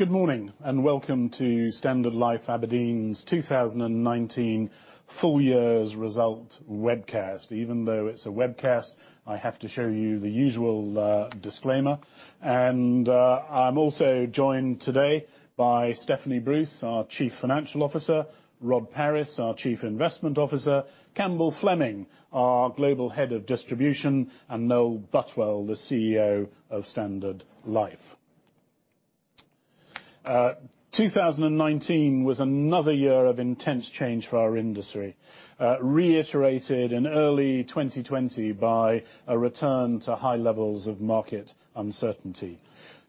Good morning, welcome to Standard Life Aberdeen's 2019 Full Year's Result Webcast. Even though it's a webcast, I have to show you the usual disclaimer. I'm also joined today by Stephanie Bruce, our Chief Financial Officer, Rod Paris, our Chief Investment Officer, Campbell Fleming, our Global Head of Distribution, and Noel Butwell, the CEO of Standard Life. 2019 was another year of intense change for our industry, reiterated in early 2020 by a return to high levels of market uncertainty.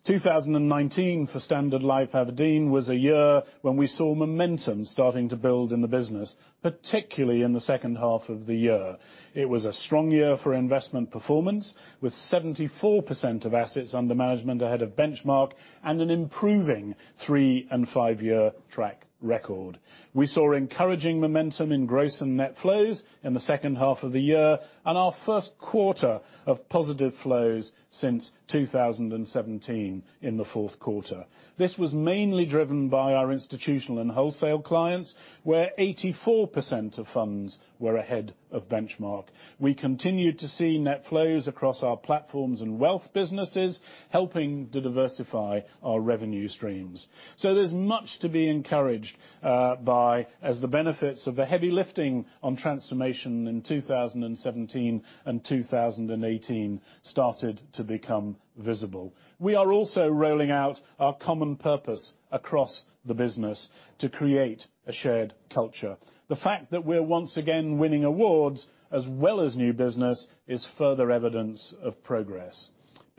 2019 for Standard Life Aberdeen was a year when we saw momentum starting to build in the business, particularly in the second half of the year. It was a strong year for investment performance, with 74% of assets under management ahead of benchmark, and an improving three and five-year track record. We saw encouraging momentum in gross and net flows in the second half of the year, and our first quarter of positive flows since 2017 in the fourth quarter. This was mainly driven by our institutional and wholesale clients, where 84% of funds were ahead of benchmark. We continued to see net flows across our platforms and wealth businesses, helping to diversify our revenue streams. There's much to be encouraged by as the benefits of the heavy lifting on transformation in 2017 and 2018 started to become visible. We are also rolling out our common purpose across the business to create a shared culture. The fact that we're once again winning awards, as well as new business, is further evidence of progress.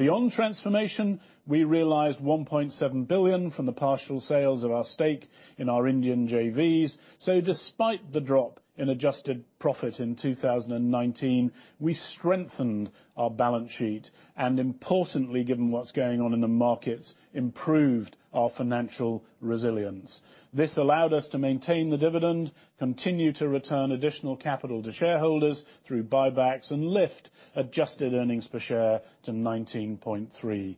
Beyond transformation, we realized 1.7 billion from the partial sales of our stake in our Indian JVs. Despite the drop in adjusted profit in 2019, we strengthened our balance sheet, and importantly, given what's going on in the markets, improved our financial resilience. This allowed us to maintain the dividend, continue to return additional capital to shareholders through buybacks, and lift adjusted earnings per share to 19.3.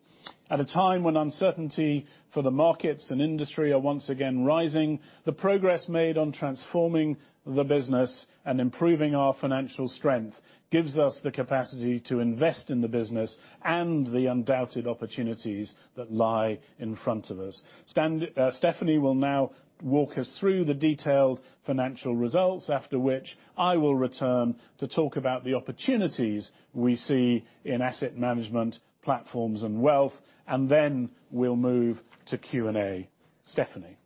At a time when uncertainty for the markets and industry are once again rising, the progress made on transforming the business and improving our financial strength gives us the capacity to invest in the business and the undoubted opportunities that lie in front of us. Stephanie will now walk us through the detailed financial results, after which I will return to talk about the opportunities we see in asset management, platforms, and wealth, and then we'll move to Q&A. Stephanie.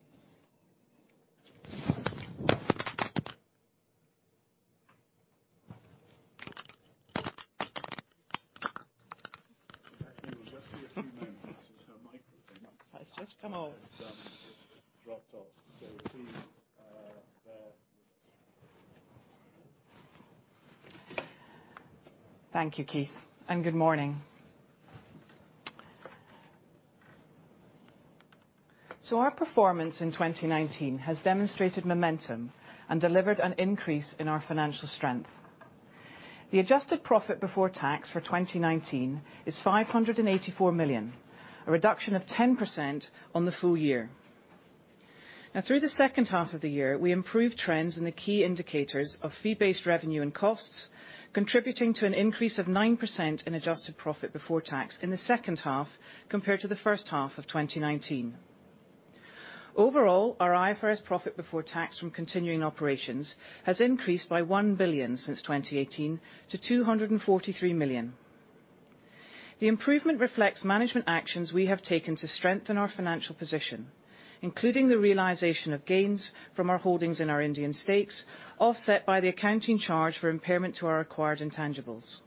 It's just come on. has dropped off. Please bear with us. Thank you, Keith. Good morning. Our performance in 2019 has demonstrated momentum, and delivered an increase in our financial strength. The adjusted profit before tax for 2019 is 584 million, a reduction of 10% on the full year. Through the second half of the year, we improved trends in the key indicators of fee-based revenue and costs, contributing to an increase of 9% in adjusted profit before tax in the second half compared to the first half of 2019. Overall, our IFRS profit before tax from continuing operations has increased by 1 billion since 2018 to 243 million. The improvement reflects management actions we have taken to strengthen our financial position, including the realization of gains from our holdings in our Indian stakes, offset by the accounting charge for impairment to our acquired intangibles.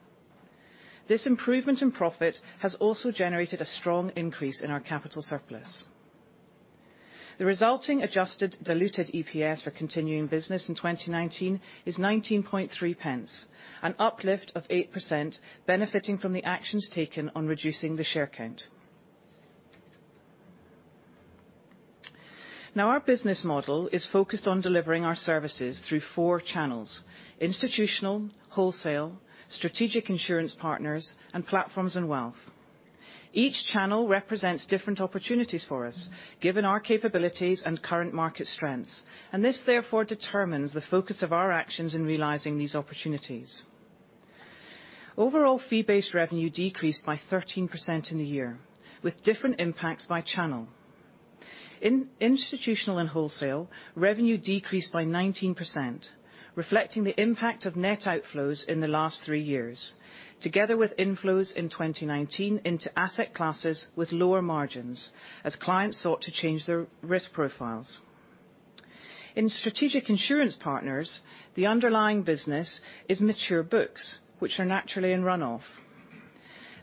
This improvement in profit has also generated a strong increase in our capital surplus. The resulting adjusted diluted EPS for continuing business in 2019 is 0.193, an uplift of 8%, benefiting from the actions taken on reducing the share count. Now our business model is focused on delivering our services through four channels, institutional, wholesale, strategic insurance partners, and platforms and wealth. Each channel represents different opportunities for us, given our capabilities and current market strengths, and this therefore determines the focus of our actions in realizing these opportunities. Overall, fee-based revenue decreased by 13% in the year, with different impacts by channel. In institutional and wholesale, revenue decreased by 19%, reflecting the impact of net outflows in the last three years, together with inflows in 2019 into asset classes with lower margins as clients sought to change their risk profiles. In strategic insurance partners, the underlying business is mature books, which are naturally in runoff.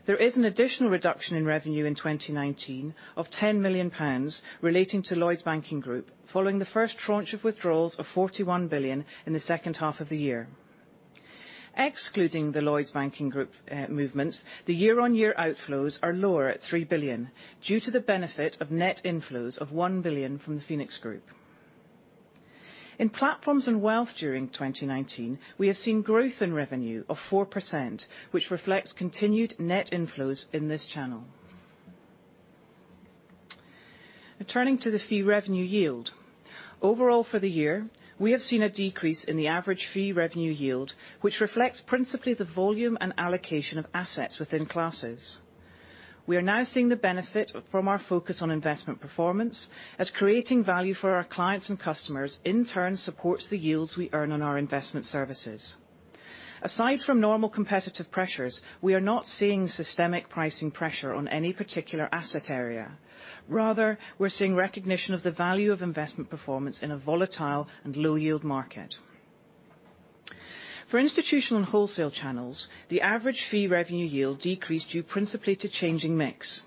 There is an additional reduction in revenue in 2019 of 10 million pounds relating to Lloyds Banking Group, following the first tranche of withdrawals of 41 billion in the second half of the year. Excluding the Lloyds Banking Group movements, the year-on-year outflows are lower at 3 billion, due to the benefit of net inflows of 1 billion from the Phoenix Group. In platforms and wealth during 2019, we have seen growth in revenue of 4%, which reflects continued net inflows in this channel. Now turning to the fee revenue yield. Overall for the year, we have seen a decrease in the average fee revenue yield, which reflects principally the volume and allocation of assets within classes. We are now seeing the benefit from our focus on investment performance as creating value for our clients and customers, in turn, supports the yields we earn on our investment services. Aside from normal competitive pressures, we are not seeing systemic pricing pressure on any particular asset area. Rather, we're seeing recognition of the value of investment performance in a volatile and low-yield market. For institutional and wholesale channels, the average fee revenue yield decreased due principally to changing mix.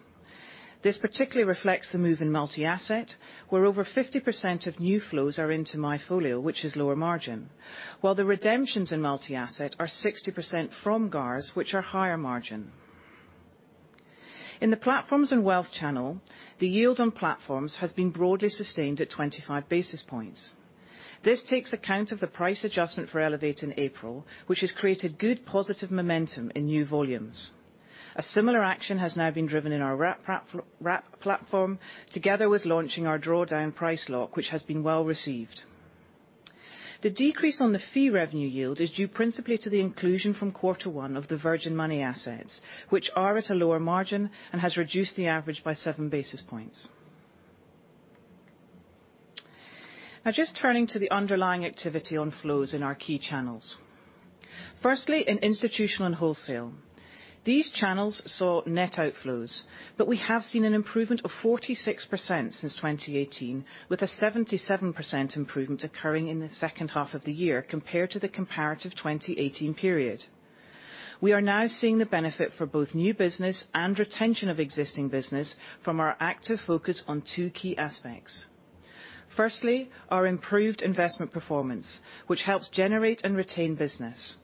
This particularly reflects the move in multi-asset, where over 50% of new flows are into MyFolio, which is lower margin. While the redemptions in multi-asset are 60% from GARS, which are higher margin. In the platforms and wealth channel, the yield on platforms has been broadly sustained at 25 basis points. This takes account of the price adjustment for Elevate in April, which has created good positive momentum in new volumes. A similar action has now been driven in our Wrap platform, together with launching our Drawdown Price Lock, which has been well-received. The decrease on the fee revenue yield is due principally to the inclusion from quarter one of the Virgin Money assets, which are at a lower margin and has reduced the average by 7 basis points. Now just turning to the underlying activity on flows in our key channels. Firstly, in institutional and wholesale. These channels saw net outflows, we have seen an improvement of 46% since 2018, with a 77% improvement occurring in the second half of the year compared to the comparative 2018 period. We are now seeing the benefit for both new business and retention of existing business from our active focus on two key aspects. Firstly our improved investment performance, which helps generate and retain business.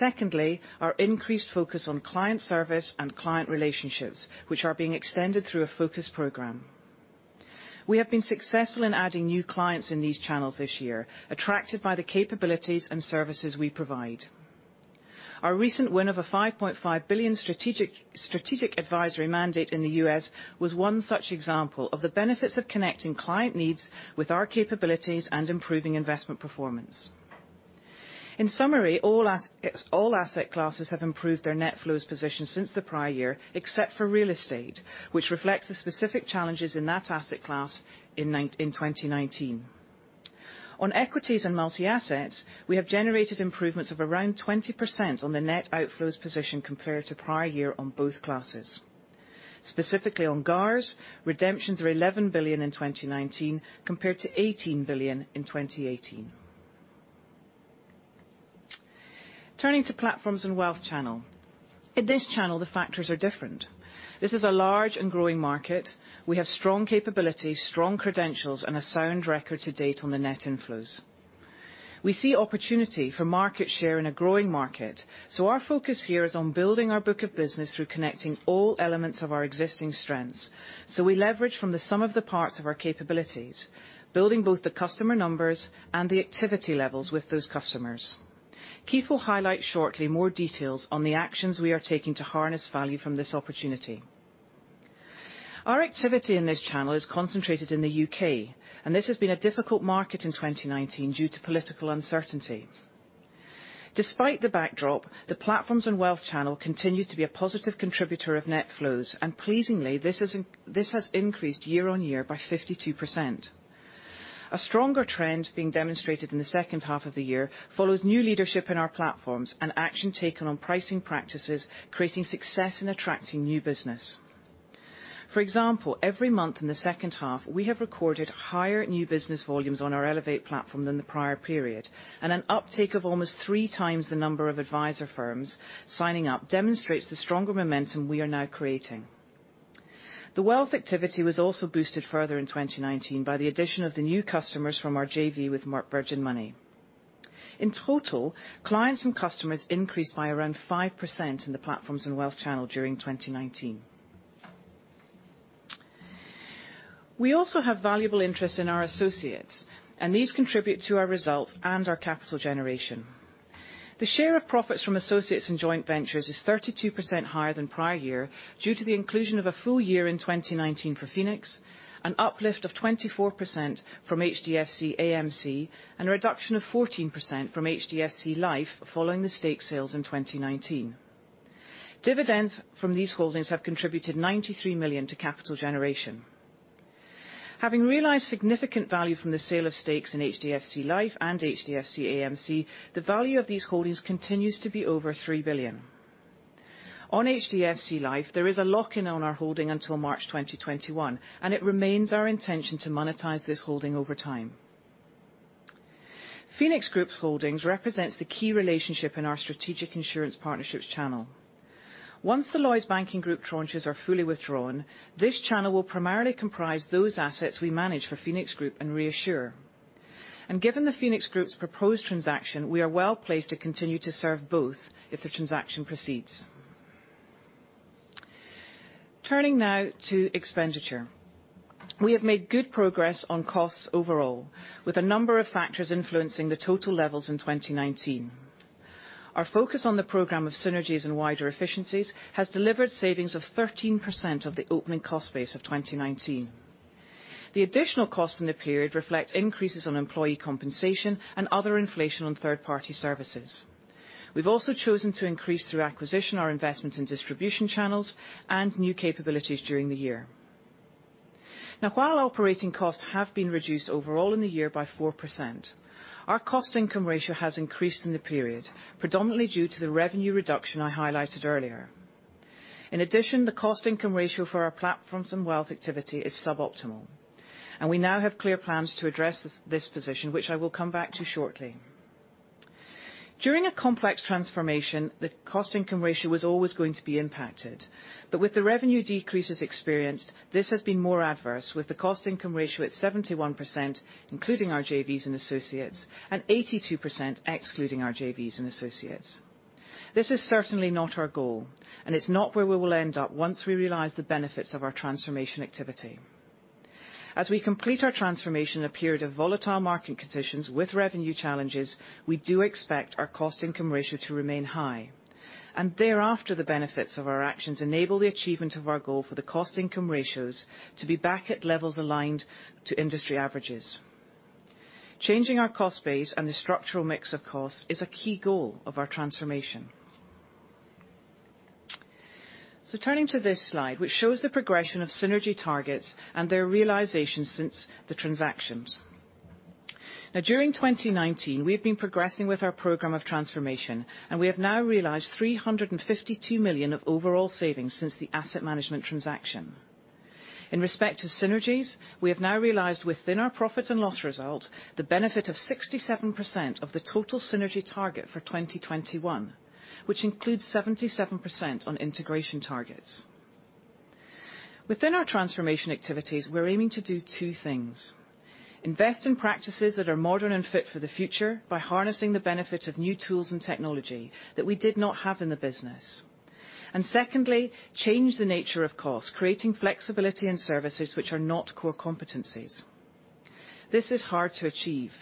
Secondly, our increased focus on client service and client relationships, which are being extended through a focus program. We have been successful in adding new clients in these channels this year, attracted by the capabilities and services we provide. Our recent win of a $5.5 billion strategic advisory mandate in the U.S. was one such example of the benefits of connecting client needs with our capabilities and improving investment performance. In summary, all asset classes have improved their net flows position since the prior year, except for real estate, which reflects the specific challenges in that asset class in 2019. On equities and multi-assets, we have generated improvements of around 20% on the net outflows position compared to prior year on both classes. Specifically on GARS, redemptions are 11 billion in 2019, compared to 18 billion in 2018. Turning to platforms and wealth channel. In this channel, the factors are different. This is a large and growing market we have strong capabilities, strong credentials, and a sound record to date on the net inflows. We see opportunity for market share in a growing market. Our focus here is on building our book of business through connecting all elements of our existing strengths. We leverage from the sum of the parts of our capabilities, building both the customer numbers and the activity levels with those customers. Keith will highlight shortly more details on the actions we are taking to harness value from this opportunity. Our activity in this channel is concentrated in the U.K. This has been a difficult market in 2019 due to political uncertainty. Despite the backdrop, the platforms and wealth channel continues to be a positive contributor of net flows. Pleasingly, this has increased year-on-year by 52%. A stronger trend being demonstrated in the second half of the year follows new leadership in our platforms and action taken on pricing practices, creating success in attracting new business. For example, every month in the second half, we have recorded higher new business volumes on our Elevate platform than the prior period. An uptake of almost 3x the number of advisor firms signing up demonstrates the stronger momentum we are now creating. The wealth activity was also boosted further in 2019 by the addition of the new customers from our JV with Virgin Money. In total, clients and customers increased by around 5% in the platforms and wealth channel during 2019. We also have valuable interests in our associates, and these contribute to our results and our capital generation. The share of profits from associates and joint ventures is 32% higher than prior year due to the inclusion of a full year in 2019 for Phoenix, an uplift of 24% from HDFC AMC, and a reduction of 14% from HDFC Life following the stake sales in 2019. Dividends from these holdings have contributed 93 million to capital generation. Having realized significant value from the sale of stakes in HDFC Life and HDFC AMC, the value of these holdings continues to be over 3 billion. On HDFC Life, there is a lock-in on our holding until March 2021, and it remains our intention to monetize this holding over time. Phoenix Group's holdings represents the key relationship in our strategic insurance partnerships channel. Once the Lloyds Banking Group tranches are fully withdrawn, this channel will primarily comprise those assets we manage for Phoenix Group and ReAssure. Given the Phoenix Group's proposed transaction, we are well-placed to continue to serve both if the transaction proceeds. Turning now to expenditure. We have made good progress on costs overall, with a number of factors influencing the total levels in 2019. Our focus on the program of synergies and wider efficiencies has delivered savings of 13% of the opening cost base of 2019. The additional costs in the period reflect increases on employee compensation and other inflation on third-party services. We've also chosen to increase, through acquisition, our investment in distribution channels and new capabilities during the year. Now, while operating costs have been reduced overall in the year by 4%, our cost income ratio has increased in the period, predominantly due to the revenue reduction I highlighted earlier. In addition, the cost income ratio for our platforms and wealth activity is suboptimal, and we now have clear plans to address this position, which I will come back to shortly. During our complex transformation the cost income ratio was always going to be impacted. But with the revenue decreases experienced, this has been more adverse, with the cost income ratio at 71%, including our JVs and associates, and 82% excluding our JVs and associates. This is certainly not our goal, and it's not where we will end up once we realize the benefits of our transformation activity. As we complete our transformation in a period of volatile market conditions with revenue challenges, we do expect our cost income ratio to remain high. Thereafter, the benefits of our actions enable the achievement of our goal for the cost income ratios to be back at levels aligned to industry averages. Changing our cost base and the structural mix of costs is a key goal of our transformation. Turning to this slide, which shows the progression of synergy targets and their realization since the transactions. During 2019, we have been progressing with our program of transformation, and we have now realized 352 million of overall savings since the asset management transaction. In respect of synergies, we have now realized within our profit and loss result the benefit of 67% of the total synergy target for 2021, which includes 77% on integration targets. Within our transformation activities, we're aiming to do two things: Invest in practices that are modern and fit for the future by harnessing the benefit of new tools and technology that we did not have in the business. Secondly, change the nature of costs, creating flexibility in services which are not core competencies. This is hard to achieve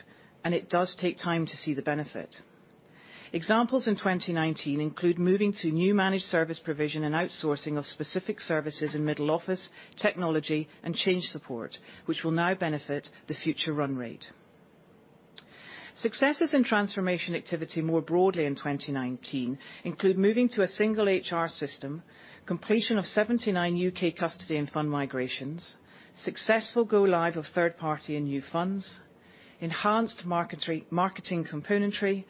and it does take time to see the benefit. Examples in 2019 include moving to new managed service provision and outsourcing of specific services in middle office, technology, and change support, which will now benefit the future run rate. Successes in transformation activity more broadly in 2019 include moving to a single HR system, completion of 79 UK custody and fund migrations, successful go live of third party and new funds, enhanced marketing componentry,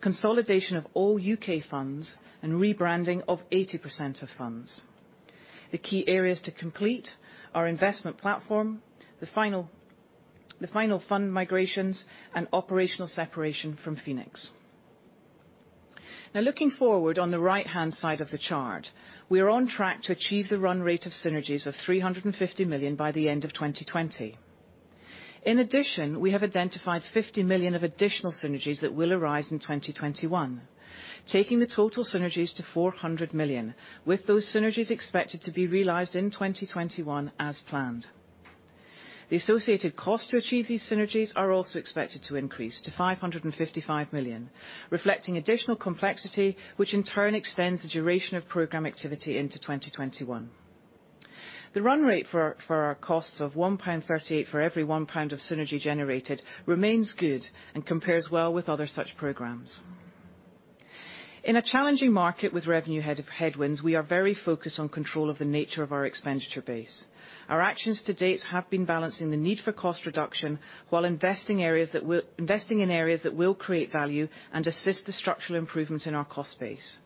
consolidation of all UK funds, and rebranding of 80% of funds. The key areas to complete are investment platform, the final fund migrations, and operational separation from Phoenix. Looking forward on the right-hand side of the chart, we are on track to achieve the run rate of synergies of 350 million by the end of 2020. In addition, we have identified 50 million of additional synergies that will arise in 2021, taking the total synergies to 400 million, with those synergies expected to be realized in 2021 as planned. The associated cost to achieve these synergies are also expected to increase to 555 million, reflecting additional complexity, which in turn extends the duration of program activity into 2021. The run rate for our costs of 1.38 pound for every 1 pound of synergy generated remains good and compares well with other such programs .In a challenging market with revenue headwinds, we are very focused on control of the nature of our expenditure base. Our actions to date have been balancing the need for cost reduction while investing in areas that will create value and assist the structural improvement in our cost base.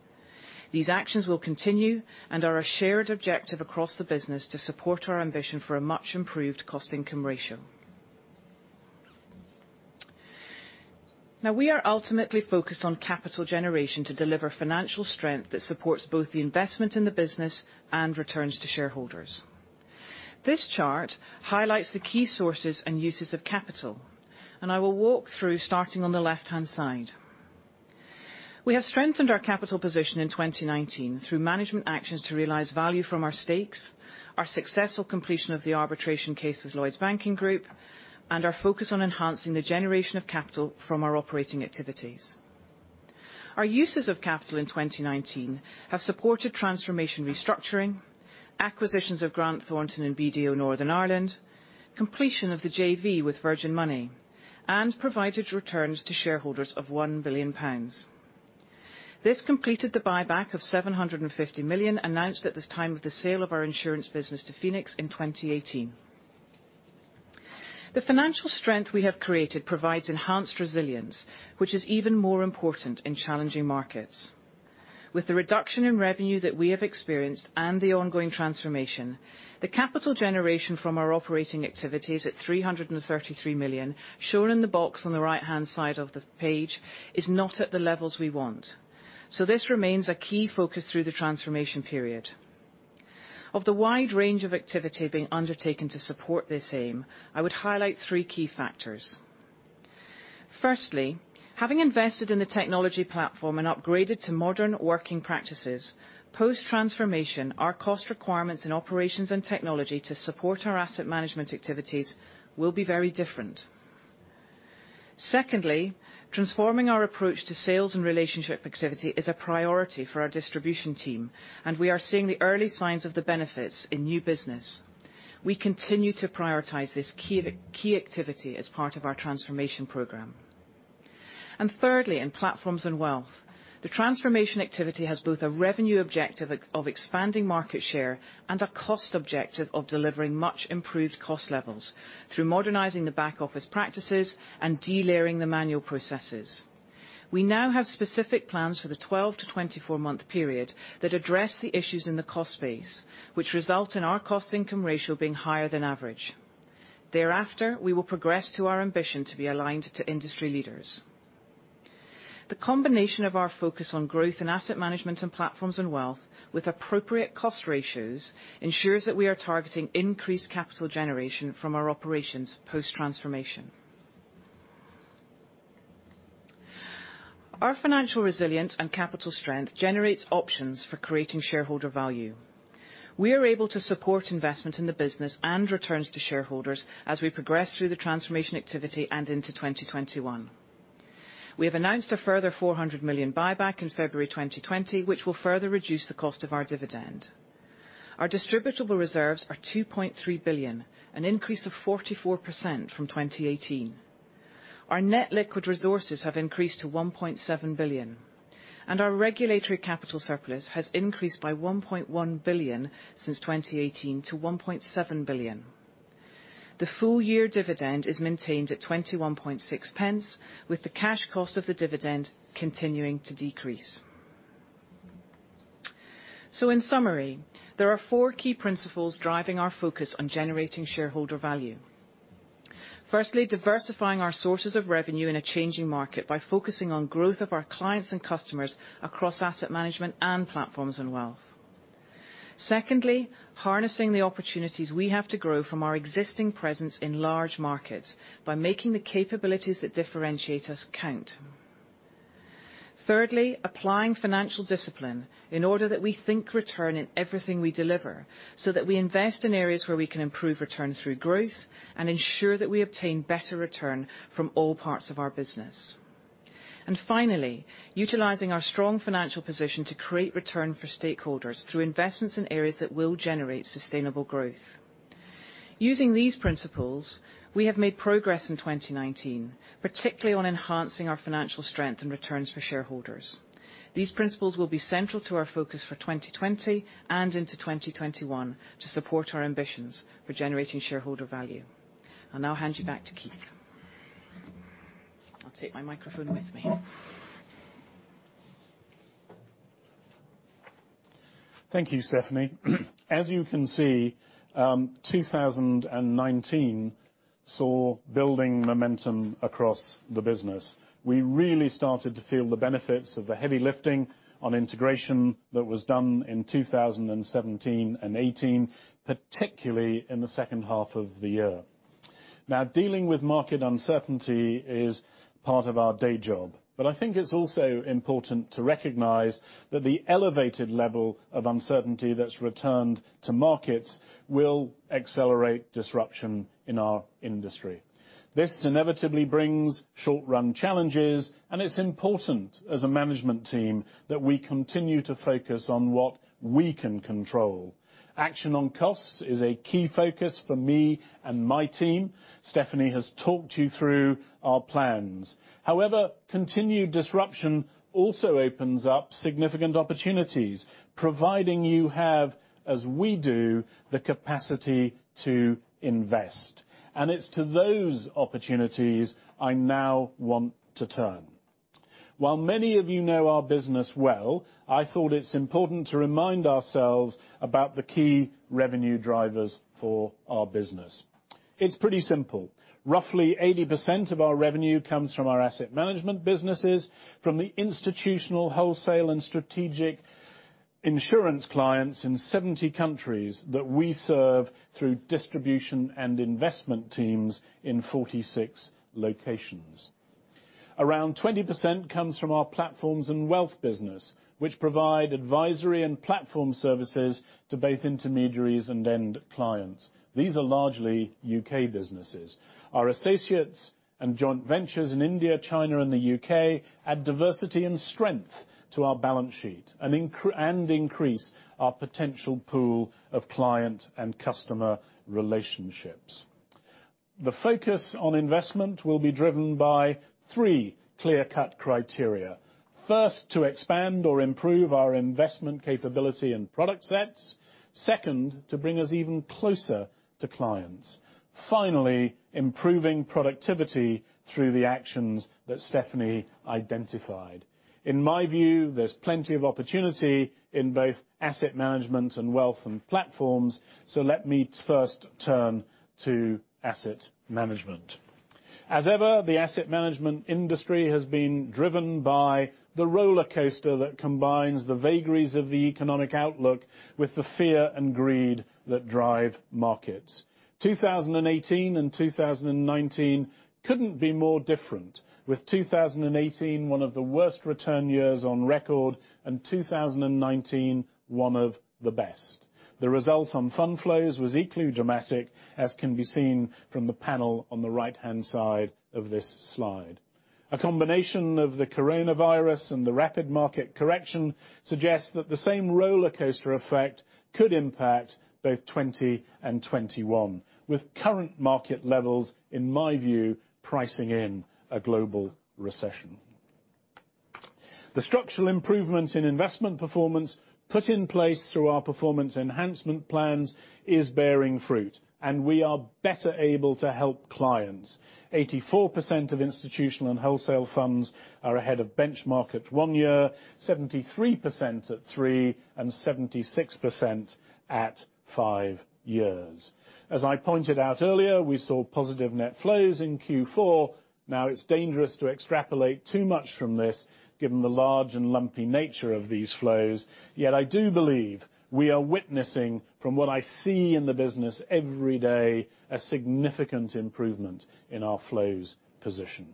These actions will continue and are a shared objective across the business to support our ambition for a much improved cost income ratio. Now we are ultimately focused on capital generation to deliver financial strength that supports both the investment in the business and returns to shareholders. This chart highlights the key sources and uses of capital, and I will walk through, starting on the left-hand side. We have strengthened our capital position in 2019 through management actions to realize value from our stakes, our successful completion of the arbitration case with Lloyds Banking Group, and our focus on enhancing the generation of capital from our operating activities. Our uses of capital in 2019 have supported transformation restructuring, acquisitions of Grant Thornton and BDO Northern Ireland, completion of the JV with Virgin Money, and provided returns to shareholders of 1 billion pounds. This completed the buyback of 750 million announced at the time of the sale of our insurance business to Phoenix in 2018. The financial strength we have created provides enhanced resilience, which is even more important in challenging markets. With the reduction in revenue that we have experienced and the ongoing transformation, the capital generation from our operating activities at 333 million, shown in the box on the right-hand side of the page, is not at the levels we want. This remains a key focus through the transformation period. Of the wide range of activity being undertaken to support this aim, I would highlight three key factors. Firstly, having invested in the technology platform and upgraded to modern working practices, post-transformation, our cost requirements in operations and technology to support our asset management activities will be very different. Secondly, transforming our approach to sales and relationship activity is a priority for our distribution team, and we are seeing the early signs of the benefits in new business. We continue to prioritize this key activity as part of our transformation program. And thirdly, in platforms and wealth, the transformation activity has both a revenue objective of expanding market share and a cost objective of delivering much improved cost levels through modernizing the back office practices and de-layering the manual processes. We now have specific plans for the 12-24 month period that address the issues in the cost base, which result in our cost income ratio being higher than average. Thereafter, we will progress to our ambition to be aligned to industry leaders. The combination of our focus on growth in asset management and platforms and wealth with appropriate cost ratios ensures that we are targeting increased capital generation from our operations post-transformation. Our financial resilience and capital strength generates options for creating shareholder value. We are able to support investment in the business and returns to shareholders as we progress through the transformation activity and into 2021. We have announced a further 400 million buyback in February 2020, which will further reduce the cost of our dividend. Our distributable reserves are 2.3 billion, an increase of 44% from 2018. Our net liquid resources have increased to 1.7 billion, and our regulatory capital surplus has increased by 1.1 billion since 2018 to 1.7 billion. The full-year dividend is maintained at 0.216, with the cash cost of the dividend continuing to decrease. In summary, there are four key principles driving our focus on generating shareholder value. Firstly, diversifying our sources of revenue in a changing market by focusing on growth of our clients and customers across asset management and platforms and wealth. Secondly, harnessing the opportunities we have to grow from our existing presence in large markets by making the capabilities that differentiate us count. Thirdly, applying financial discipline in order that we think return in everything we deliver, so that we invest in areas where we can improve return through growth and ensure that we obtain better return from all parts of our business. Finally, utilizing our strong financial position to create return for stakeholders through investments in areas that will generate sustainable growth. Using these principles, we have made progress in 2019, particularly on enhancing our financial strength and returns for shareholders. These principles will be central to our focus for 2020 and into 2021 to support our ambitions for generating shareholder value. I'll now hand you back to Keith. I'll take my microphone with me. Thank you, Stephanie. As you can see, 2019 saw building momentum across the business. We really started to feel the benefits of the heavy lifting on integration that was done in 2017 and 2018, particularly in the second half of the year. Now dealing with market uncertainty is part of our day job. But I think it's also important to recognize that the elevated level of uncertainty that's returned to markets will accelerate disruption in our industry. This inevitably brings short-run challenges, and it's important, as a management team, that we continue to focus on what we can control. Action on costs is a key focus for me and my team. Stephanie has talked you through our plans. However, continued disruption also opens up significant opportunities, providing you have, as we do, the capacity to invest. And it's to those opportunities I now want to turn. While many of you know our business well, I thought it's important to remind ourselves about the key revenue drivers for our business. It's pretty simple. Roughly 80% of our revenue comes from our asset management businesses, from the institutional, wholesale, and strategic insurance clients in 70 countries that we serve through distribution and investment teams in 46 locations. Around 20% comes from our platforms and wealth business, which provide advisory and platform services to both intermediaries and end clients. These are largely UK businesses. Our associates and joint ventures in India, China, and the U.K. add diversity and strength to our balance sheet and increase our potential pool of client and customer relationships. The focus on investment will be driven by three clear-cut criteria. First, to expand or improve our investment capability and product sets. Second, to bring us even closer to clients. Finally, improving productivity through the actions that Stephanie identified. In my view, there's plenty of opportunity in both asset management and wealth and platforms. Let me first turn to asset management. As ever, the asset management industry has been driven by the roller coaster that combines the vagaries of the economic outlook with the fear and greed that drive markets. 2018 and 2019 couldn't be more different, with 2018 one of the worst return years on record, and 2019 one of the best. The result on fund flows was equally dramatic, as can be seen from the panel on the right-hand side of this slide. A combination of the coronavirus and the rapid market correction suggests that the same roller coaster effect could impact both 2020 and 2021, with current market levels, in my view, pricing in a global recession. The structural improvements in investment performance put in place through our performance enhancement plans is bearing fruit, and we are better able to help clients. 84% of institutional and wholesale funds are ahead of benchmark at one year, 73% at three, and 76% at five years. As I pointed out earlier, we saw positive net flows in Q4. Now it's dangerous to extrapolate too much from this, given the large and lumpy nature of these flows. I do believe we are witnessing, from what I see in the business every day, a significant improvement in our flows position.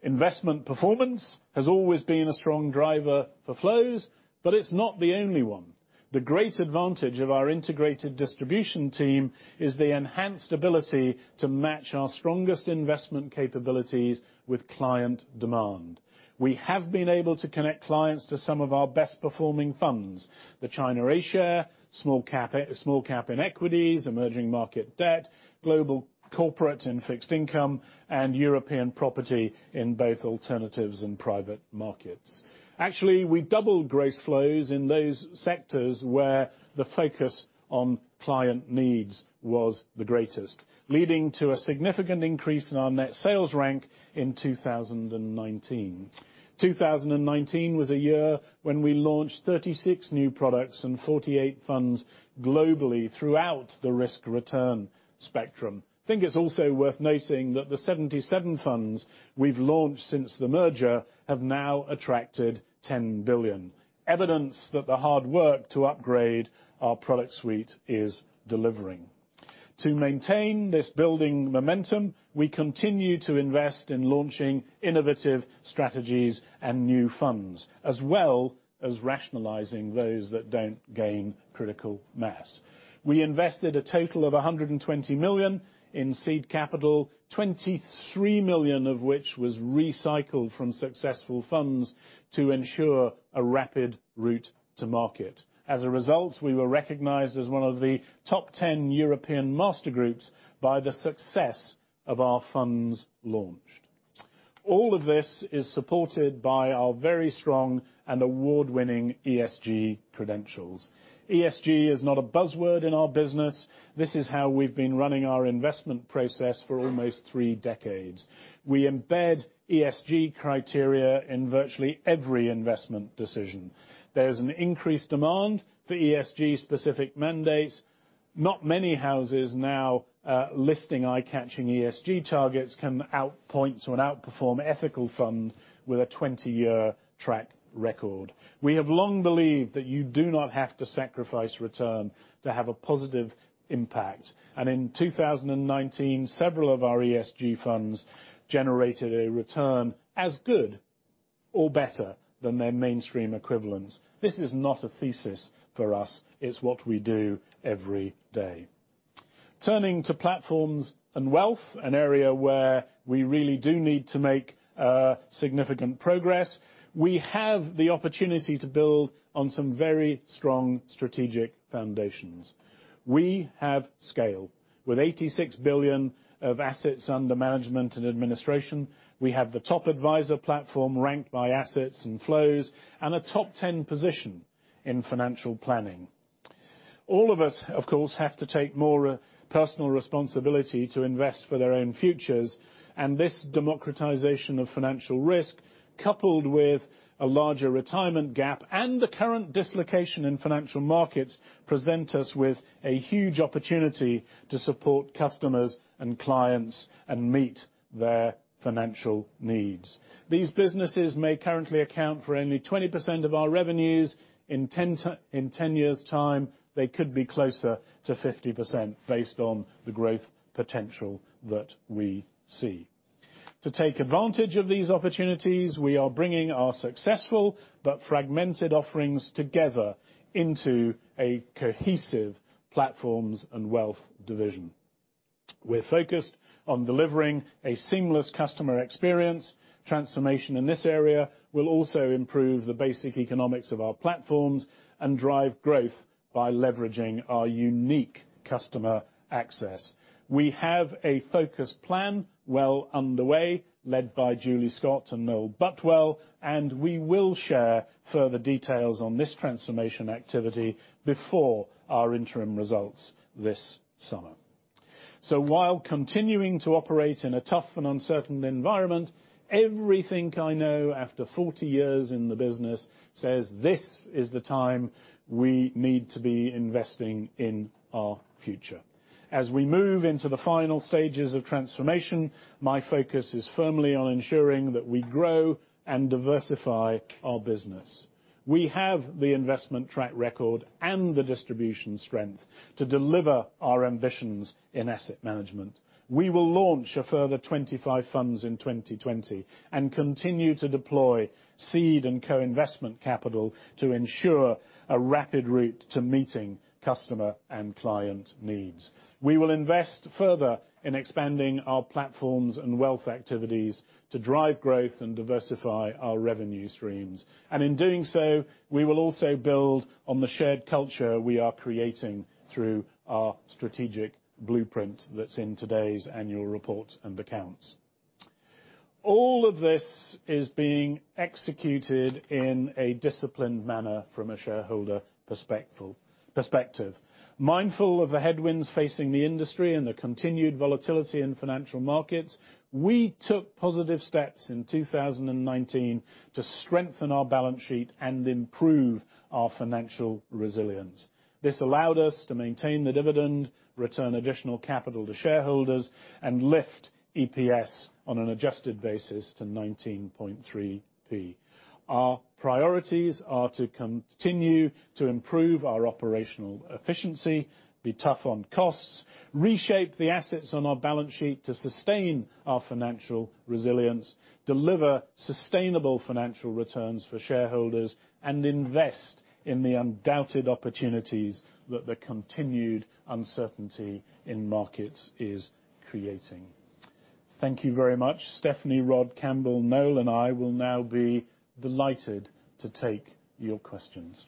Investment performance has always been a strong driver for flows, but it's not the only one. The great advantage of our integrated distribution team is the enhanced ability to match our strongest investment capabilities with client demand. We have been able to connect clients to some of our best-performing funds, the China A-share, small cap in equities, emerging market debt, global corporate and fixed income, and European property in both alternatives and private markets. Actually, we doubled gross flows in those sectors where the focus on client needs was the greatest, leading to a significant increase in our net sales rank in 2019. 2019 was a year when we launched 36 new products and 48 funds globally throughout the risk-return spectrum. Think it's also worth noting that the 77 funds we've launched since the merger have now attracted 10 billion, evidence that the hard work to upgrade our product suite is delivering. To maintain this building momentum, we continue to invest in launching innovative strategies and new funds, as well as rationalizing those that don't gain critical mass. We invested a total of 120 million in seed capital, 23 million of which was recycled from successful funds to ensure a rapid route to market. As a result, we were recognized as one of the top 10 European master groups by the success of our funds launched. All of this is supported by our very strong and award-winning ESG credentials. ESG is not a buzzword in our business. This is how we've been running our investment process for almost three decades. We embed ESG criteria in virtually every investment decision. There's an increased demand for ESG-specific mandates. Not many houses now listing eye-catching ESG targets can outpoint or outperform ethical funds with a 20-year track record. We have long believed that you do not have to sacrifice return to have a positive impact. And in 2019, several of our ESG funds generated a return as good or better than their mainstream equivalents. This is not a thesis for us, it's what we do every day. Turning to platforms and wealth, an area where we really do need to make significant progress. We have the opportunity to build on some very strong strategic foundations. We have scale. With 86 billion of assets under management and administration, we have the top advisor platform ranked by assets and flows, and a top 10 position in financial planning. All of us, of course, have to take more personal responsibility to invest for their own futures, and this democratization of financial risk, coupled with a larger retirement gap and the current dislocation in financial markets, present us with a huge opportunity to support customers and clients and meet their financial needs. These businesses may currently account for only 20% of our revenues. In 10 years' time, they could be closer to 50%, based on the growth potential that we see. To take advantage of these opportunities, we are bringing our successful but fragmented offerings together into a cohesive platforms and wealth division. We're focused on delivering a seamless customer experience. Transformation in this area will also improve the basic economics of our platforms and drive growth by leveraging our unique customer access. We have a focused plan well underway, led by Julie Scott and Noel Butwell, and we will share further details on this transformation activity before our interim results this summer. While continuing to operate in a tough and uncertain environment, everything I know after 40 years in the business says this is the time we need to be investing in our future. As we move into the final stages of transformation, my focus is firmly on ensuring that we grow and diversify our business. We have the investment track record and the distribution strength to deliver our ambitions in asset management. We will launch a further 25 funds in 2020, and continue to deploy seed and co-investment capital to ensure a rapid route to meeting customer and client needs. We will invest further in expanding our platforms and wealth activities to drive growth and diversify our revenue streams. In doing so, we will also build on the shared culture we are creating through our strategic blueprint that's in today's annual report and accounts. All of this is being executed in a disciplined manner from a shareholder perspective. Mindful of the headwinds facing the industry and the continued volatility in financial markets, we took positive steps in 2019 to strengthen our balance sheet and improve our financial resilience. This allowed us to maintain the dividend, return additional capital to shareholders, and lift EPS on an adjusted basis to 0.193. Our priorities are to continue to improve our operational efficiency, be tough on costs, reshape the assets on our balance sheet to sustain our financial resilience, deliver sustainable financial returns for shareholders, and invest in the undoubted opportunities that the continued uncertainty in markets is creating. Thank you very much. Stephanie, Rod, Campbell, Noel, and I will now be delighted to take your questions.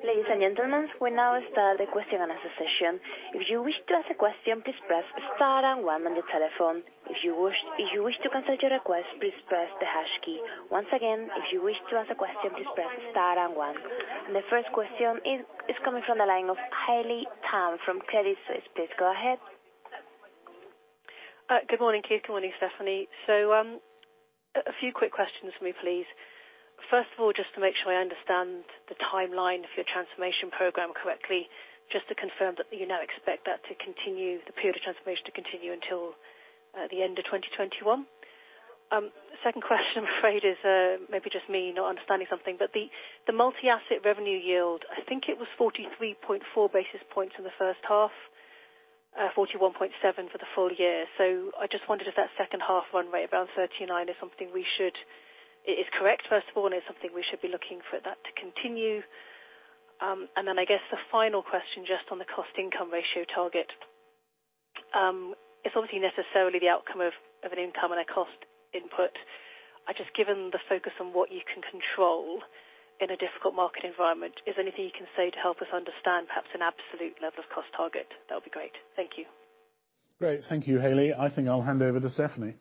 Ladies and gentlemen, we'll now start the question and answer session. If you wish to ask a question, please press star and one on the telephone. If you wish to cancel your request, please press the hash key. Once again, if you wish to ask a question, please press star and one. The first question is coming from the line of Haley Tam from Credit Suisse. Please go ahead. Good morning, Keith. Good morning, Stephanie. A few quick questions from me, please. First of all, just to make sure I understand the timeline of your transformation program correctly. Just to confirm that you now expect the period of transformation to continue until the end of 2021? Second question I'm afraid is maybe just me not understanding something, the multi-asset revenue yield, I think it was 43.4 basis points in the first half, 41.7 for the full year. I just wondered if that second half run rate around 39 is correct, first of all, and if something we should be looking for that to continue. I guess the final question, just on the cost income ratio target. It's obviously necessarily the outcome of an income and a cost input. Just given the focus on what you can control in a difficult market environment, is there anything you can say to help us understand perhaps an absolute level of cost target? That would be great. Thank you. Great. Thank you, Haley. I think I'll hand over to Stephanie.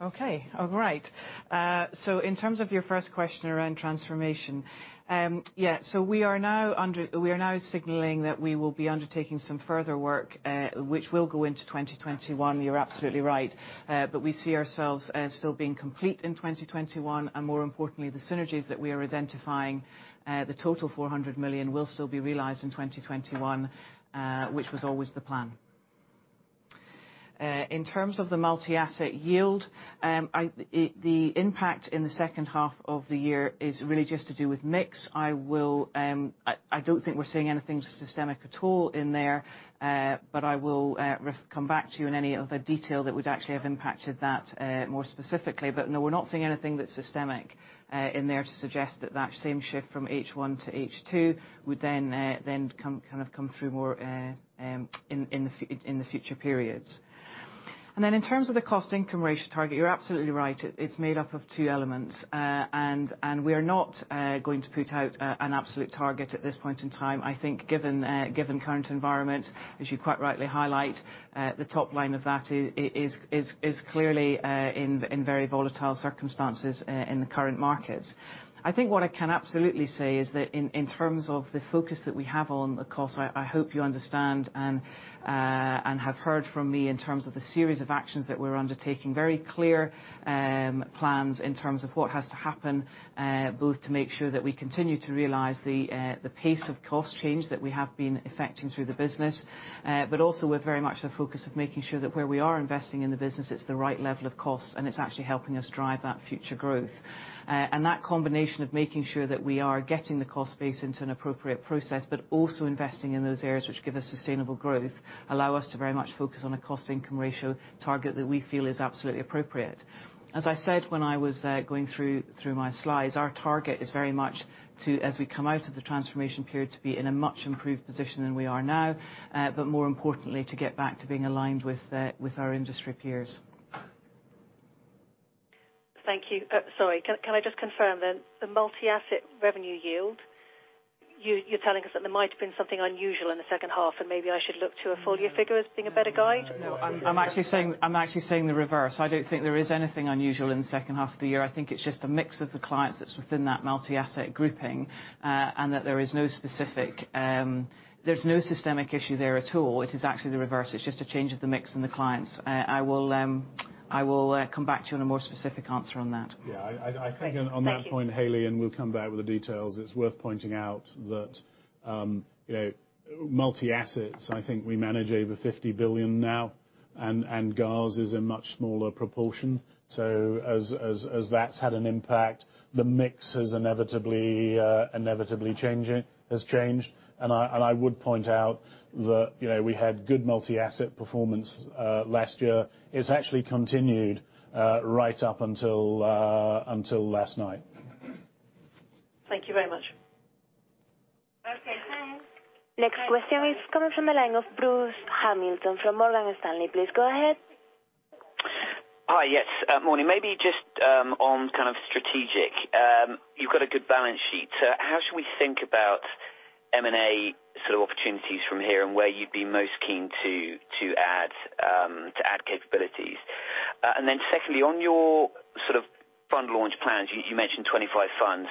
Okay. All right. In terms of your first question around transformation. We are now signaling that we will be undertaking some further work, which will go into 2021. You're absolutely right. We see ourselves as still being complete in 2021, and more importantly, the synergies that we are identifying, the total 400 million will still be realized in 2021, which was always the plan. In terms of the multi-asset yield, the impact in the second half of the year is really just to do with mix. I don't think we're seeing anything systemic at all in there. But I will come back to you in any of the detail that would actually have impacted that more specifically. No, we're not seeing anything that's systemic in there to suggest that same shift from H1-H2 would then come through more in the future periods. And In terms of the cost income ratio target, you're absolutely right. It's made up of two elements. We are not going to put out an absolute target at this point in time. I think given current environment, as you quite rightly highlight, the top line of that is clearly in very volatile circumstances in the current markets. I think what I can absolutely say is that in terms of the focus that we have on the cost, I hope you understand and have heard from me in terms of the series of actions that we're undertaking. Very clear plans in terms of what has to happen. Both to make sure that we continue to realize the pace of cost change that we have been effecting through the business. But Also with very much the focus of making sure that where we are investing in the business, it's the right level of cost, and it's actually helping us drive that future growth. And that combination of making sure that we are getting the cost base into an appropriate process, but also investing in those areas which give us sustainable growth, allow us to very much focus on a cost-income ratio target that we feel is absolutely appropriate. As I said when I was going through my slides, our target is very much to, as we come out of the transformation period, to be in a much improved position than we are now. More importantly, to get back to being aligned with our industry peers. Thank you. Sorry. Can I just confirm, the multi-asset revenue yield? You're telling us that there might have been something unusual in the second half, and maybe I should look to a full year figure as being a better guide? No, I'm actually saying the reverse. I don't think there is anything unusual in the second half of the year. I think it's just a mix of the clients that's within that multi-asset grouping, and that there is no systemic issue there at all. It is actually the reverse. It's just a change of the mix in the clients. I will come back to you on a more specific answer on that. Yeah. Great. Thank you. I think on that point, Haley, we'll come back with the details. It's worth pointing out that multi-asset, I think we manage over 50 billion now. GARS is a much smaller proportion. As that's had an impact, the mix has inevitably changed. And I would point out that we had good multi-asset performance last year. It's actually continued right up until last night. Thank you very much. Okay, thanks. Next question is coming from the line of Bruce Hamilton from Morgan Stanley. Please go ahead. Hi. Yes. Morning. Maybe just on strategic. You've got a good balance sheet. How should we think about M&A opportunities from here and where you'd be most keen to add capabilities? Secondly, on your fund launch plans, you mentioned 25 funds.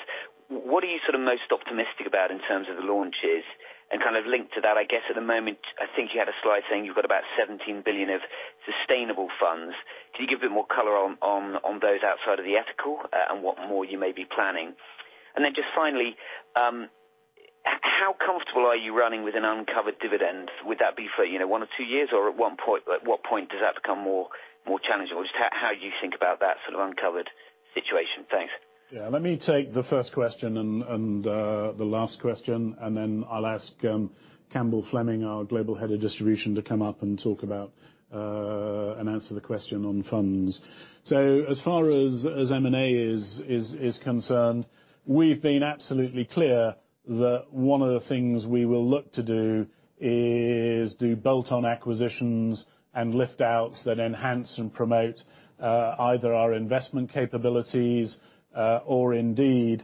What are you most optimistic about in terms of the launches? Linked to that, I guess at the moment, I think you had a slide saying you've got about 17 billion of sustainable funds. Can you give a bit more color on those outside of the ethical and what more you may be planning? Just finally, how comfortable are you running with an uncovered dividend? Would that be for one or two years? At what point does that become more challenging? Just how you think about that sort of uncovered situation. Thanks. Yeah, let me take the first question and the last question, and then I'll ask Campbell Fleming, our Global Head of Distribution, to come up and talk about and answer the question on funds. As far as M&A is concerned, we've been absolutely clear that one of the things we will look to do is do bolt-on acquisitions and lift-outs that enhance and promote either our investment capabilities or indeed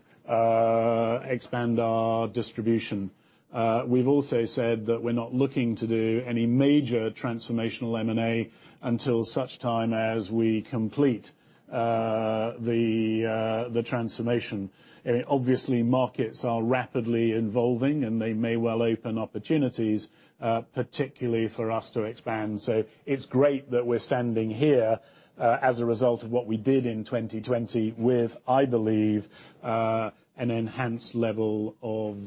expand our distribution. We've also said that we're not looking to do any major transformational M&A until such time as we complete the transformation. Obviously, markets are rapidly evolving, and they may well open opportunities, particularly for us to expand. It's great that we're standing here as a result of what we did in 2020 with, I believe, an enhanced level of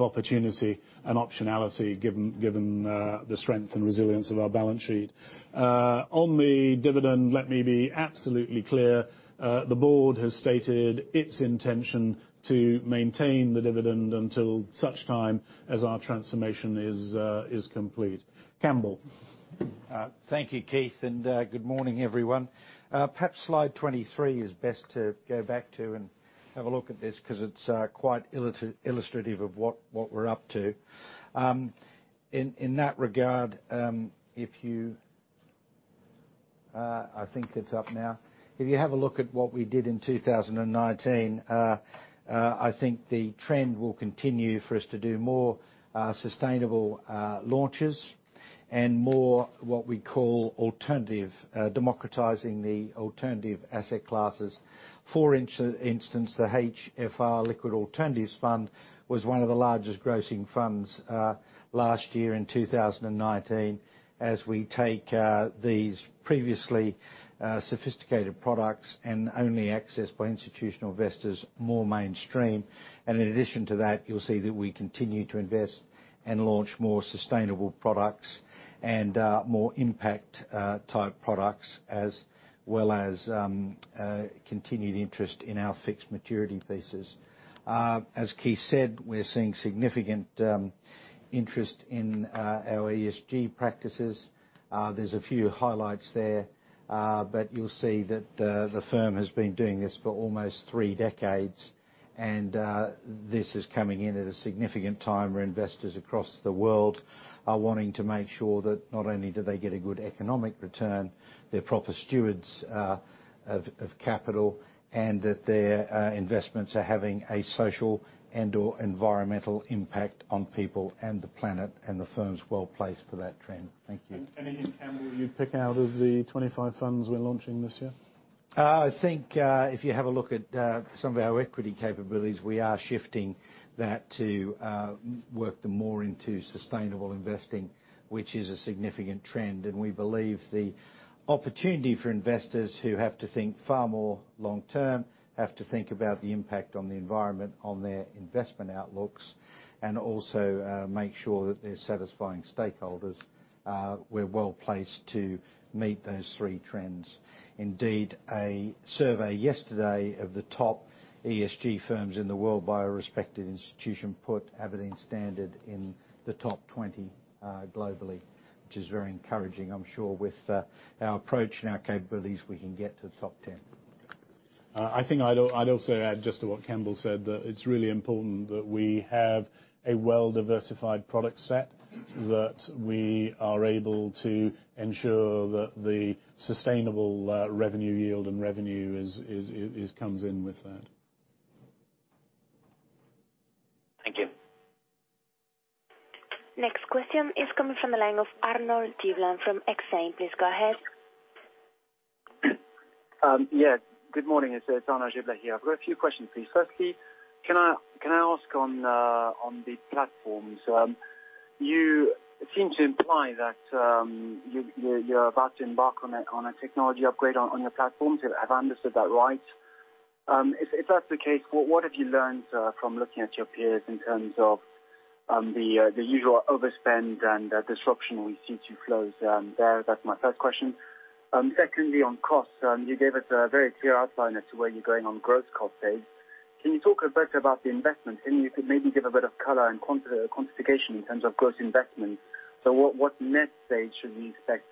opportunity and optionality given the strength and resilience of our balance sheet. On the dividend, let me be absolutely clear. The board has stated its intention to maintain the dividend until such time as our transformation is complete. Campbell. Thank you, Keith, and good morning, everyone. Perhaps slide 23 is best to go back to and have a look at this because it's quite illustrative of what we're up to. In that regard, I think it's up now. If you have a look at what we did in 2019, I think the trend will continue for us to do more sustainable launches and more what we call alternative, democratizing the alternative asset classes. For instance, the HFR Liquid Alternatives Fund was one of the largest grossing funds last year in 2019, as we take these previously sophisticated products and only accessed by institutional investors, more mainstream. In addition to that, you'll see that we continue to invest and launch more sustainable products and more impact type products, as well as continued interest in our fixed maturity pieces. As Keith said, we're seeing significant interest in our ESG practices. There's a few highlights there. You'll see that the firm has been doing this for almost three decades. This is coming in at a significant time where investors across the world are wanting to make sure that not only do they get a good economic return, they're proper stewards of capital, and that their investments are having a social and/or environmental impact on people and the planet. The firm's well-placed for that trend. Thank you. Again, Campbell, are you picking out of the 25 funds we're launching this year? I think if you have a look at some of our equity capabilities, we are shifting that to work them more into sustainable investing, which is a significant trend. We believe the opportunity for investors who have to think far more long term, have to think about the impact on the environment, on their investment outlooks, and also make sure that they're satisfying stakeholders. We're well-placed to meet those three trends. Indeed, a survey yesterday of the top ESG firms in the world by a respected institution put Aberdeen Standard in the top 20 globally, which is very encouraging. I'm sure with our approach and our capabilities, we can get to the top 10. I think I'd also add just to what Campbell said, that it's really important that we have a well-diversified product set, that we are able to ensure that the sustainable revenue yield and revenue comes in with that. Thank you. Next question is coming from the line of Arnaud Giblat from Exane. Please go ahead. Good morning. It's Arnaud Giblat here. I've got a few questions, please. Can I ask on the platforms. You seem to imply that you're about to embark on a technology upgrade on your platforms. Have I understood that right? If that's the case, what have you learned from looking at your peers in terms of the usual overspend and disruption we see to flows there? That's my first question. On costs, you gave us a very clear outline as to where you're going on gross cost base. Can you talk a bit about the investments? You could maybe give a bit of color and quantification in terms of gross investments. What net base should we expect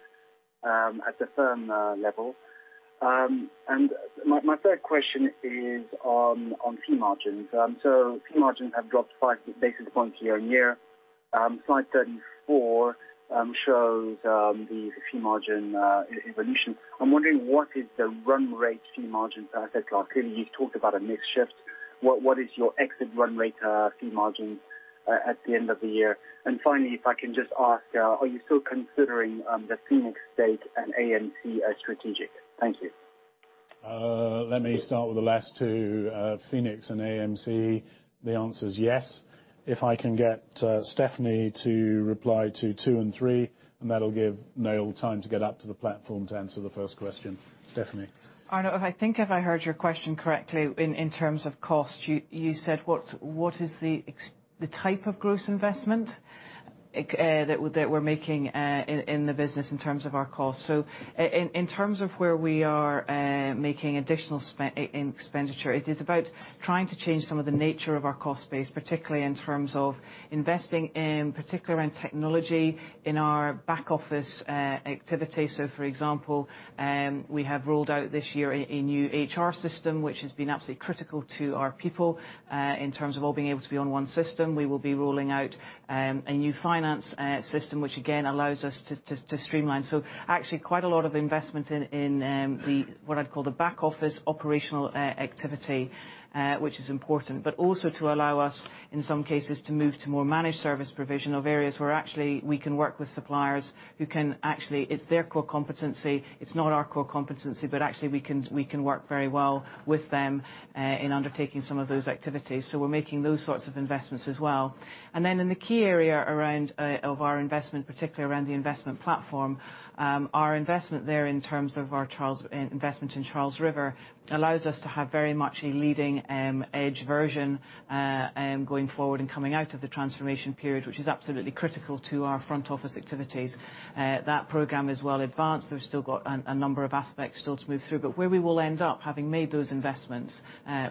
at the firm level? My third question is on fee margins. Fee margins have dropped 5 basis points year-on-year. Slide 34 shows the fee margin evolution. I'm wondering what is the run rate fee margin per asset class. Clearly you've talked about a mix shift. What is your exit run rate fee margin at the end of the year? Finally, if I can just ask, are you still considering the Phoenix stake and AMC as strategic? Thank you. Let me start with the last two, Phoenix and AMC. The answer is yes. If I can get Stephanie to reply to two and three, that'll give Noel time to get up to the platform to answer the first question. Stephanie. Arno, I think if I heard your question correctly in terms of cost, you said, what is the type of gross investment that we're making in the business in terms of our cost? In terms of where we are making additional expenditure, it is about trying to change some of the nature of our cost base, particularly in terms of investing, in particular in technology in our back office activity. For example, we have rolled out this year a new HR system, which has been absolutely critical to our people in terms of all being able to be on one system. We will be rolling out a new finance system, which again allows us to streamline. Actually quite a lot of investment in the what I'd call the back office operational activity, which is important. But also to allow us, in some cases, to move to more managed service provision of areas where actually we can work with suppliers who can actually, it's their core competency, it's not our core competency, but actually we can work very well with them, in undertaking some of those activities. We're making those sorts of investments as well. Then in the key area of our investment, particularly around the investment platform, our investment there in terms of our investment in Charles River allows us to have very much a leading edge version going forward and coming out of the transformation period, which is absolutely critical to our front office activities. That program is well advanced. We've still got a number of aspects still to move through. Where we will end up, having made those investments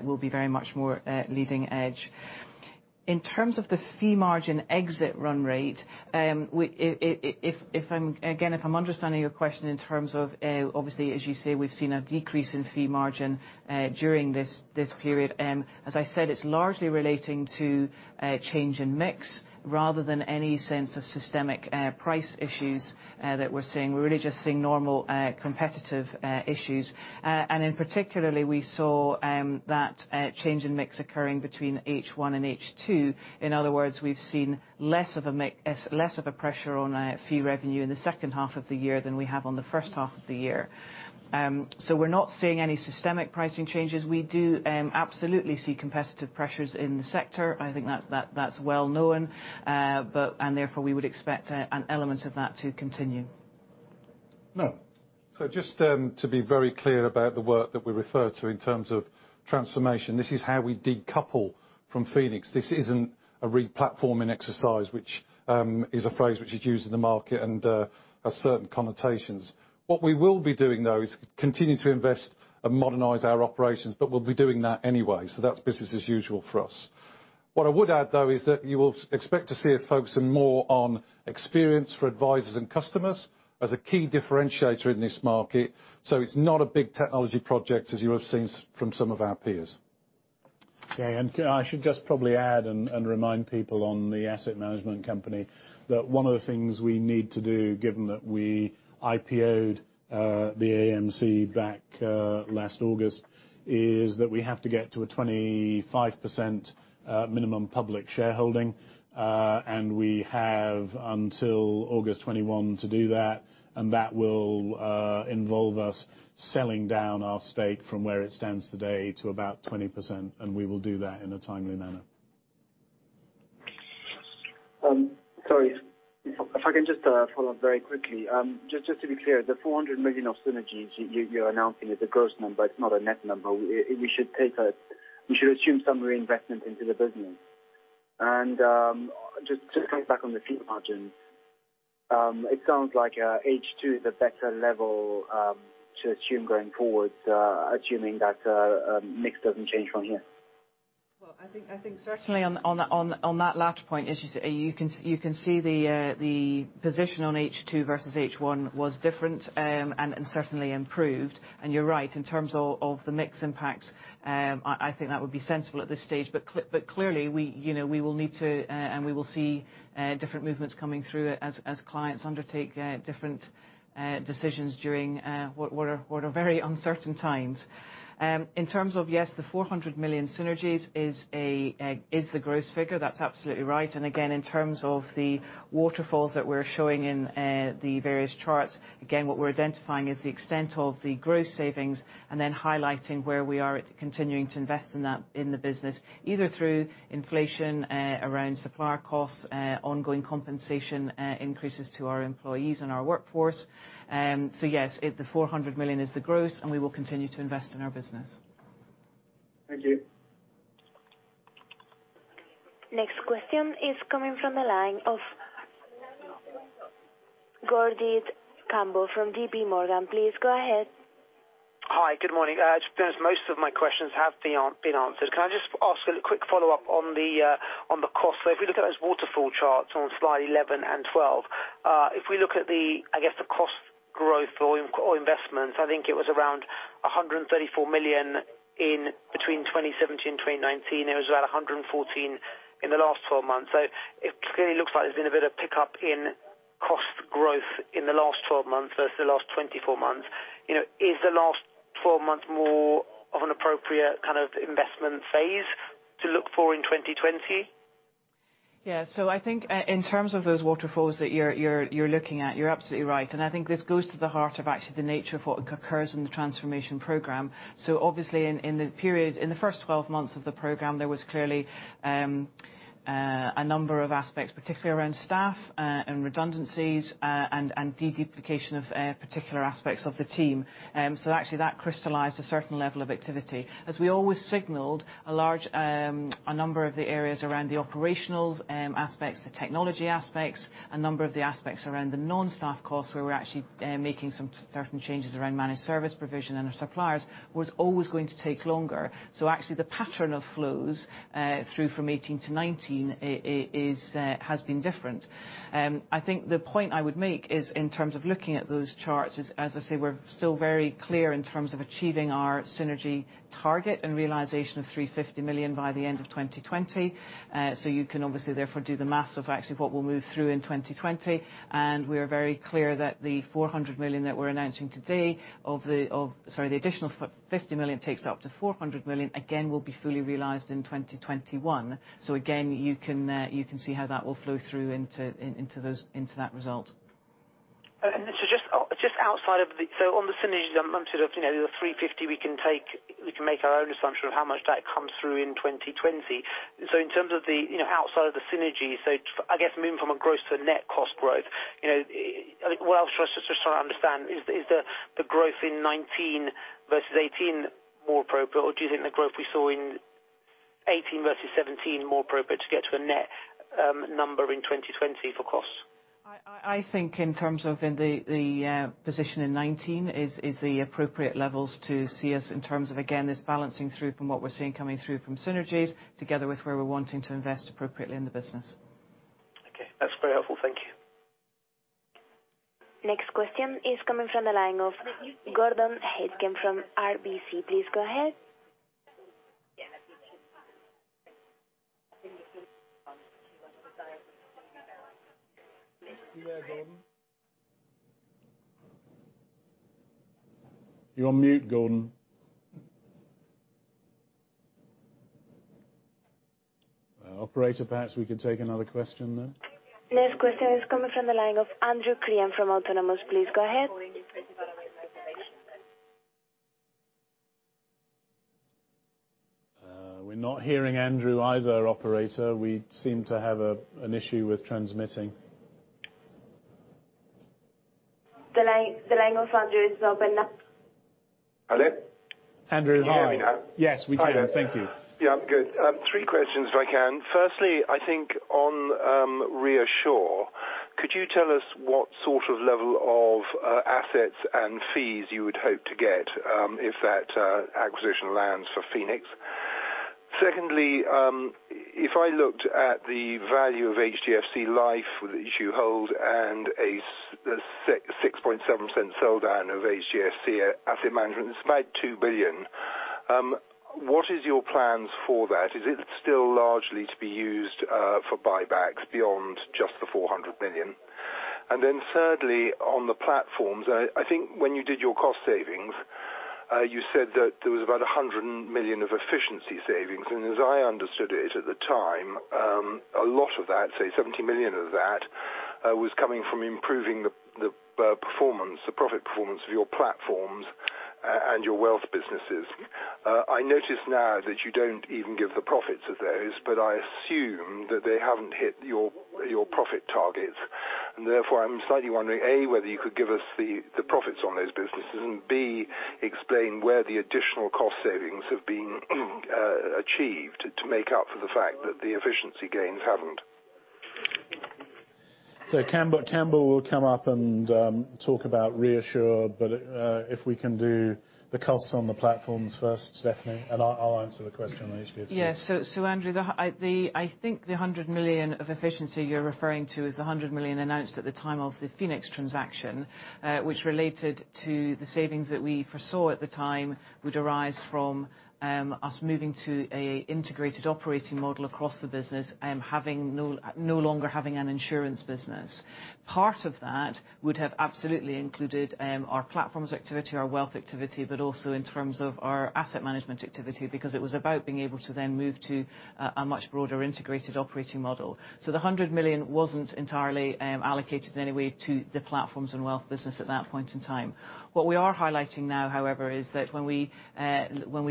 will be very much more leading edge. In terms of the fee margin exit run rate, again, if I'm understanding your question in terms of, obviously, as you say, we've seen a decrease in fee margin during this period. And as I said, it's largely relating to change in mix rather than any sense of systemic price issues that we're seeing. We're really just seeing normal competitive issues. In particular, we saw that change in mix occurring between H1 and H2. In other words, we've seen less of a pressure on fee revenue in the second half of the year than we have on the first half of the year. We're not seeing any systemic pricing changes. We do absolutely see competitive pressures in the sector. I think that's well known, and therefore we would expect an element of that to continue. Noel. Just to be very clear about the work that we refer to in terms of transformation. This is how we decouple from Phoenix. This isn't a re-platforming exercise, which is a phrase which is used in the market and has certain connotations. What we will be doing, though, is continuing to invest and modernize our operations, but we'll be doing that anyway. That's business as usual for us. What I would add, though, is that you will expect to see us focusing more on experience for advisors and customers as a key differentiator in this market. It's not a big technology project as you have seen from some of our peers. Okay. I should just probably add and remind people on the asset management company that one of the things we need to do, given that we IPO'd the AMC back last August, is that we have to get to a 25% minimum public shareholding. We have until August 2021 to do that, and that will involve us selling down our stake from where it stands today to about 20%. We will do that in a timely manner. Sorry. If I can just follow up very quickly. Just to be clear, the 400 million of synergies you're announcing is a gross number, it's not a net number. We should assume some reinvestment into the business. Just coming back on the fee margins. It sounds like H2 is a better level to assume going forward, assuming that mix doesn't change from here. Well, I think certainly on that latter point, as you say, you can see the position on H2 versus H1 was different and certainly improved. You're right, in terms of the mix impacts, I think that would be sensible at this stage. Clearly we will need to and we will see different movements coming through as clients undertake different decisions during what are very uncertain times. In terms of, yes, the 400 million synergies is the gross figure. That's absolutely right. Again, in terms of the waterfalls that we're showing in the various charts, again, what we're identifying is the extent of the gross savings and then highlighting where we are at continuing to invest in that in the business, either through inflation around supplier costs, ongoing compensation increases to our employees and our workforce. Yes, the 400 million is the gross, and we will continue to invest in our business. Thank you. Next question is coming from the line of Gurjit Kambo from JPMorgan. Please go ahead. Hi, good morning. To be honest, most of my questions have been answered. Can I just ask a quick follow-up on the cost? If we look at those waterfall charts on slide 11 and 12, if we look at the cost growth or investments, I think it was around 134 million between 2017 and 2019. It was about 114 million in the last 12 months. It clearly looks like there's been a bit of pickup in cost growth in the last 12 months versus the last 24 months. Is the last 12 months more of an appropriate kind of investment phase to look for in 2020? Yeah. I think in terms of those waterfalls that you're looking at, you're absolutely right. I think this goes to the heart of actually the nature of what occurs in the transformation program. Obviously in the first 12 months of the program, there was clearly a number of aspects, particularly around staff and redundancies, and deduplication of particular aspects of the team. Actually that crystallized a certain level of activity. As we always signaled, a number of the areas around the operational aspects, the technology aspects, a number of the aspects around the non-staff costs, where we're actually making some certain changes around managed service provision and our suppliers, was always going to take longer. Actually the pattern of flows through from 2018-2019 has been different. I think the point I would make is in terms of looking at those charts is, as I say, we're still very clear in terms of achieving our synergy target and realization of 350 million by the end of 2020. You can obviously therefore do the math of actually what we'll move through in 2020. We are very clear that the 400 million that we're announcing today, the additional 50 million takes it up to 400 million, again, will be fully realized in 2021. Again, you can see how that will flow through into that result. Just outside of the synergies amount of the 350 million we can make our own assumption of how much that comes through in 2020. In terms of outside of the synergies, I guess moving from a gross to net cost growth, what else should I understand? Is the growth in 2019 versus 2018 more appropriate, or do you think the growth we saw in 2018 versus 2017 more appropriate to get to a net number in 2020 for costs? I think in terms of the position in 2019 is the appropriate levels to see us in terms of, again, this balancing through from what we're seeing coming through from synergies together with where we're wanting to invest appropriately in the business. Okay. That's very helpful. Thank you. Next question is coming from the line of Gordon Aitken from RBC. Please go ahead. You're on mute, Gordon. Operator, perhaps we could take another question then. Next question is coming from the line of Andrew Crean from Autonomous. Please go ahead. We're not hearing Andrew either, operator. We seem to have an issue with transmitting. The line of Andrew is open now. Hello? Andrew, hi. Can you hear me now? Yes, we can. Thank you. Yeah, good. Three questions if I can. Firstly, I think on ReAssure, could you tell us what sort of level of assets and fees you would hope to get if that acquisition lands for Phoenix? Secondly, if I looked at the value of HDFC Life, which you hold, and a 6.7% sell down of HDFC Asset Management, it's about 2 billion. What is your plans for that? Is it still largely to be used for buybacks beyond just the 400 million? Thirdly, on the platforms, I think when you did your cost savings, you said that there was about 100 million of efficiency savings. As I understood it at the time, a lot of that, say, 70 million of that, was coming from improving the profit performance of your platforms and your wealth businesses. I notice now that you don't even give the profits of those, but I assume that they haven't hit your profit targets. Therefore, I'm slightly wondering, A, whether you could give us the profits on those businesses, and B, explain where the additional cost savings have been achieved to make up for the fact that the efficiency gains haven't. Campbell will come up and talk about ReAssure, but if we can do the costs on the platforms first, Stephanie, and I'll answer the question on HDFC. Yeah. Andrew, I think the 100 million of efficiency you're referring to is the 100 million announced at the time of the Phoenix transaction, which related to the savings that we foresaw at the time would arise from us moving to an integrated operating model across the business and no longer having an insurance business. Part of that would have absolutely included our platforms activity, our wealth activity, but also in terms of our asset management activity, because it was about being able to then move to a much broader integrated operating model. The 100 million wasn't entirely allocated in any way to the platforms and wealth business at that point in time. What we are highlighting now, however, is that when we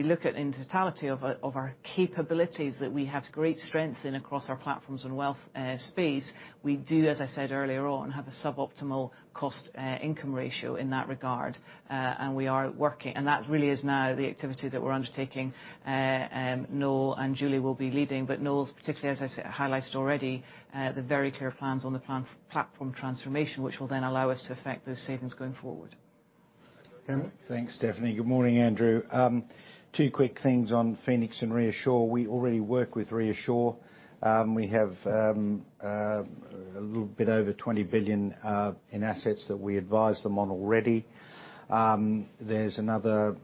look at in totality of our capabilities that we have great strengths in across our platforms and wealth space, we do, as I said earlier on, have a suboptimal cost income ratio in that regard. That really is now the activity that we're undertaking. Noel and Julie will be leading, but Noel's particularly, as I highlighted already, the very clear plans on the platform transformation, which will then allow us to affect those savings going forward. Thanks, Stephanie. Good morning, Andrew. Two quick things on Phoenix and ReAssure. We already work with ReAssure. We have a little bit over 20 billion in assets that we advise them on already. There's another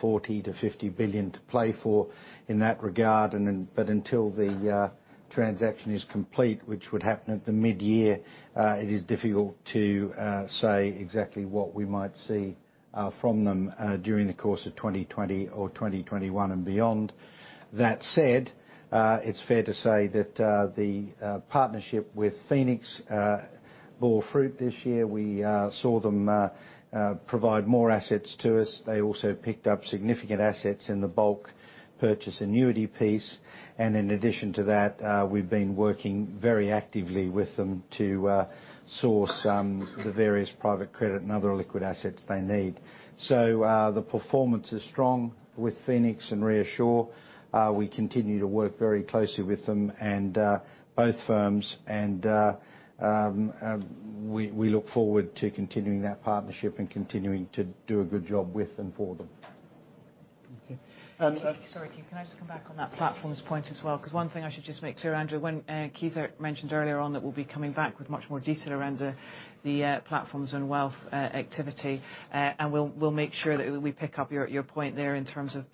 40 billion-50 billion to play for in that regard. Until the transaction is complete, which would happen at the mid-year, it is difficult to say exactly what we might see from them during the course of 2020 or 2021 and beyond. That said, it's fair to say that the partnership with Phoenix bore fruit this year. We saw them provide more assets to us. They also picked up significant assets in the bulk purchase annuity piece. In addition to that, we've been working very actively with them to source the various private credit and other liquid assets they need. The performance is strong with Phoenix and ReAssure. We continue to work very closely with them and both firms. We look forward to continuing that partnership and continuing to do a good job with and for them. Okay. Sorry, Keith, can I just come back on that platforms point as well? One thing I should just make clear, Andrew, when Keith mentioned earlier on that we'll be coming back with much more detail around the platforms and wealth activity. We'll make sure that we pick up your point there in terms of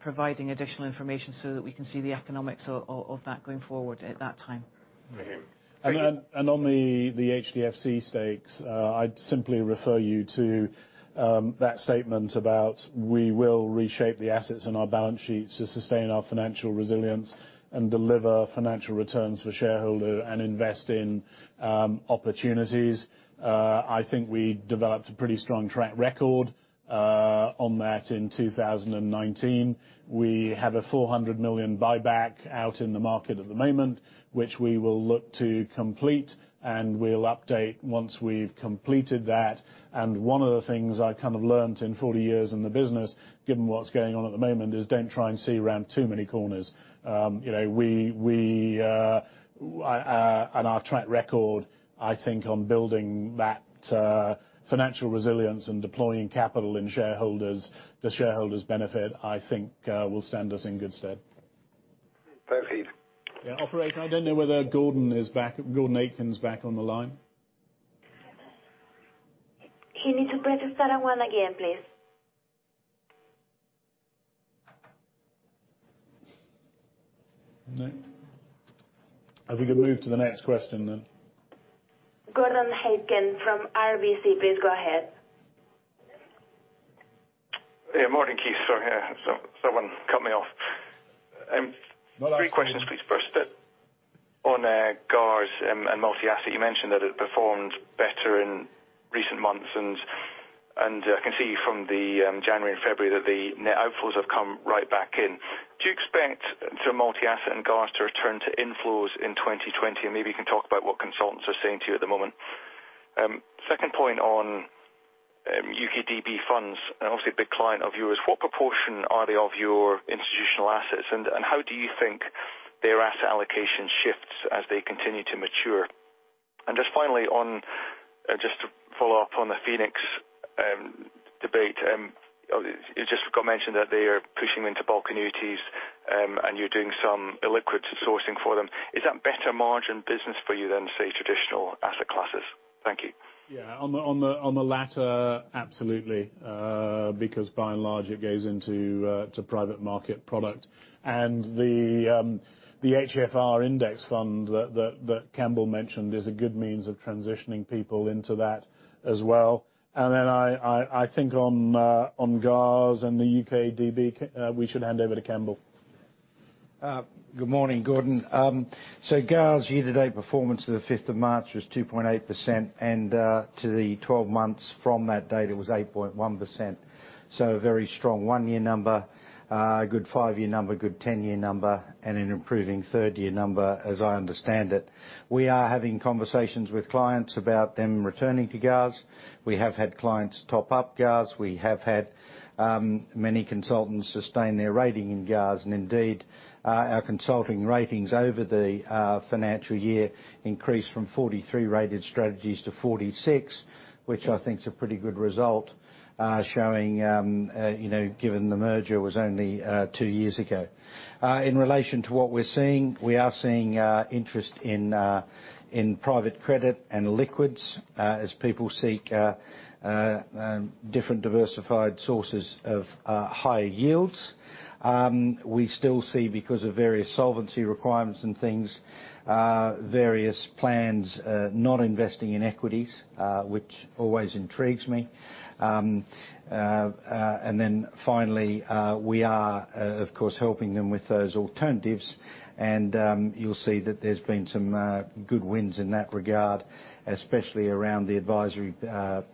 providing additional information so that we can see the economics of that going forward at that time. Okay. On the HDFC stakes, I'd simply refer you to that statement about we will reshape the assets on our balance sheets to sustain our financial resilience and deliver financial returns for shareholder and invest in opportunities. I think we developed a pretty strong track record on that in 2019. We have a 400 million buyback out in the market at the moment, which we will look to complete. We'll update once we've completed that. One of the things I kind of learned in 40 years in the business, given what's going on at the moment, is don't try and see around too many corners. Our track record, I think, on building that financial resilience and deploying capital in shareholders to shareholders' benefit, I think, will stand us in good stead. Proceed. Yeah. Operator, I don't know whether Gordon Aitken's back on the line. You need to press star one again, please. No? I think we move to the next question then. Gordon Aitken from RBC, please go ahead. Yeah, morning, Keith. Sorry, someone cut me off. No worries. Three questions, please. First, on GARS and multi-asset, you mentioned that it performed better in recent months. I can see from the January and February that the net outflows have come right back in. Do you expect multi-asset and GARS to return to inflows in 2020? Maybe you can talk about what consultants are saying to you at the moment. Second point on UK DB funds, obviously a big client of yours. What proportion are they of your institutional assets, how do you think their asset allocation shifts as they continue to mature? And Just finally, just to follow up on the Phoenix debate. You just got mentioned that they are pushing into bulk annuities, you're doing some illiquid sourcing for them. Is that better margin business for you than, say, traditional asset classes? Thank you. Yeah. On the latter, absolutely. By and large, it goes into private market product. And the HFR index fund that Campbell mentioned is a good means of transitioning people into that as well. I think on GARS and the UK DB, we should hand over to Campbell. Good morning, Gordon. GARS year-to-date performance to the 5th of March was 2.8%, and to the 12 months from that date, it was 8.1%. A very strong one-year number, a good five-year number, good 10-year number, and an improving third-year number, as I understand it. We are having conversations with clients about them returning to GARS. We have had clients top up GARS. We have had many consultants sustain their rating in GARS. Indeed, our consulting ratings over the financial year increased from 43 rated strategies to 46. Which I think is a pretty good result, given the merger was only two years ago. In relation to what we're seeing, we are seeing interest in private credit and illiquids as people seek different diversified sources of higher yields. We still see, because of various solvency requirements and things, various plans not investing in equities, which always intrigues me. Finally, we are, of course, helping them with those alternatives. You'll see that there's been some good wins in that regard, especially around the advisory pieces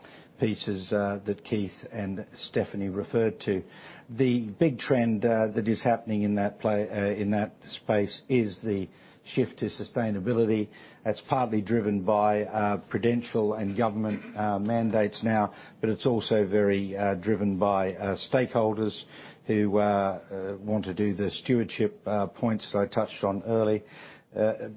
that Keith and Stephanie referred to. The big trend that is happening in that space is the shift to sustainability. That's partly driven by prudential and government mandates now, but it's also very driven by stakeholders who want to do the stewardship points that I touched on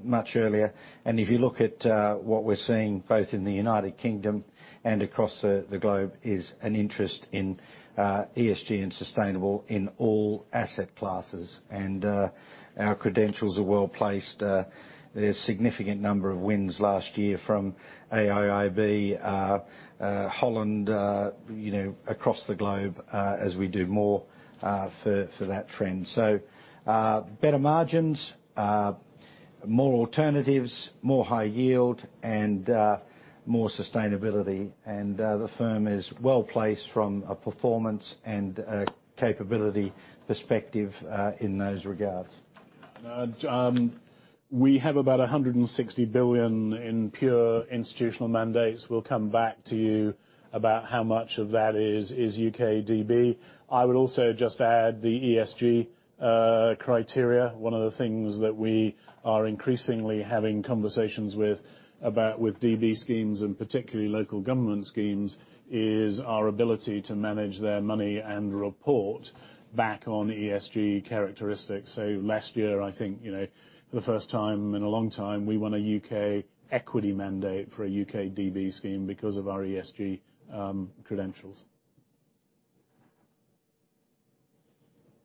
much earlier. And if you look at what we're seeing, both in the United Kingdom and across the globe, is an interest in ESG and sustainable in all asset classes. Our credentials are well-placed. There's significant number of wins last year from AIB, Holland, across the globe, as we do more for that trend. Better margins, more alternatives, more high yield, and more sustainability. The firm is well-placed from a performance and capability perspective in those regards. We have about 160 billion in pure institutional mandates. We'll come back to you about how much of that is UK DB. I would also just add the ESG criteria. One of the things that we are increasingly having conversations with about with DB schemes, and particularly local government schemes, is our ability to manage their money and report back on ESG characteristics. Last year, I think, for the first time in a long time, we won a UK equity mandate for a UK DB scheme because of our ESG credentials.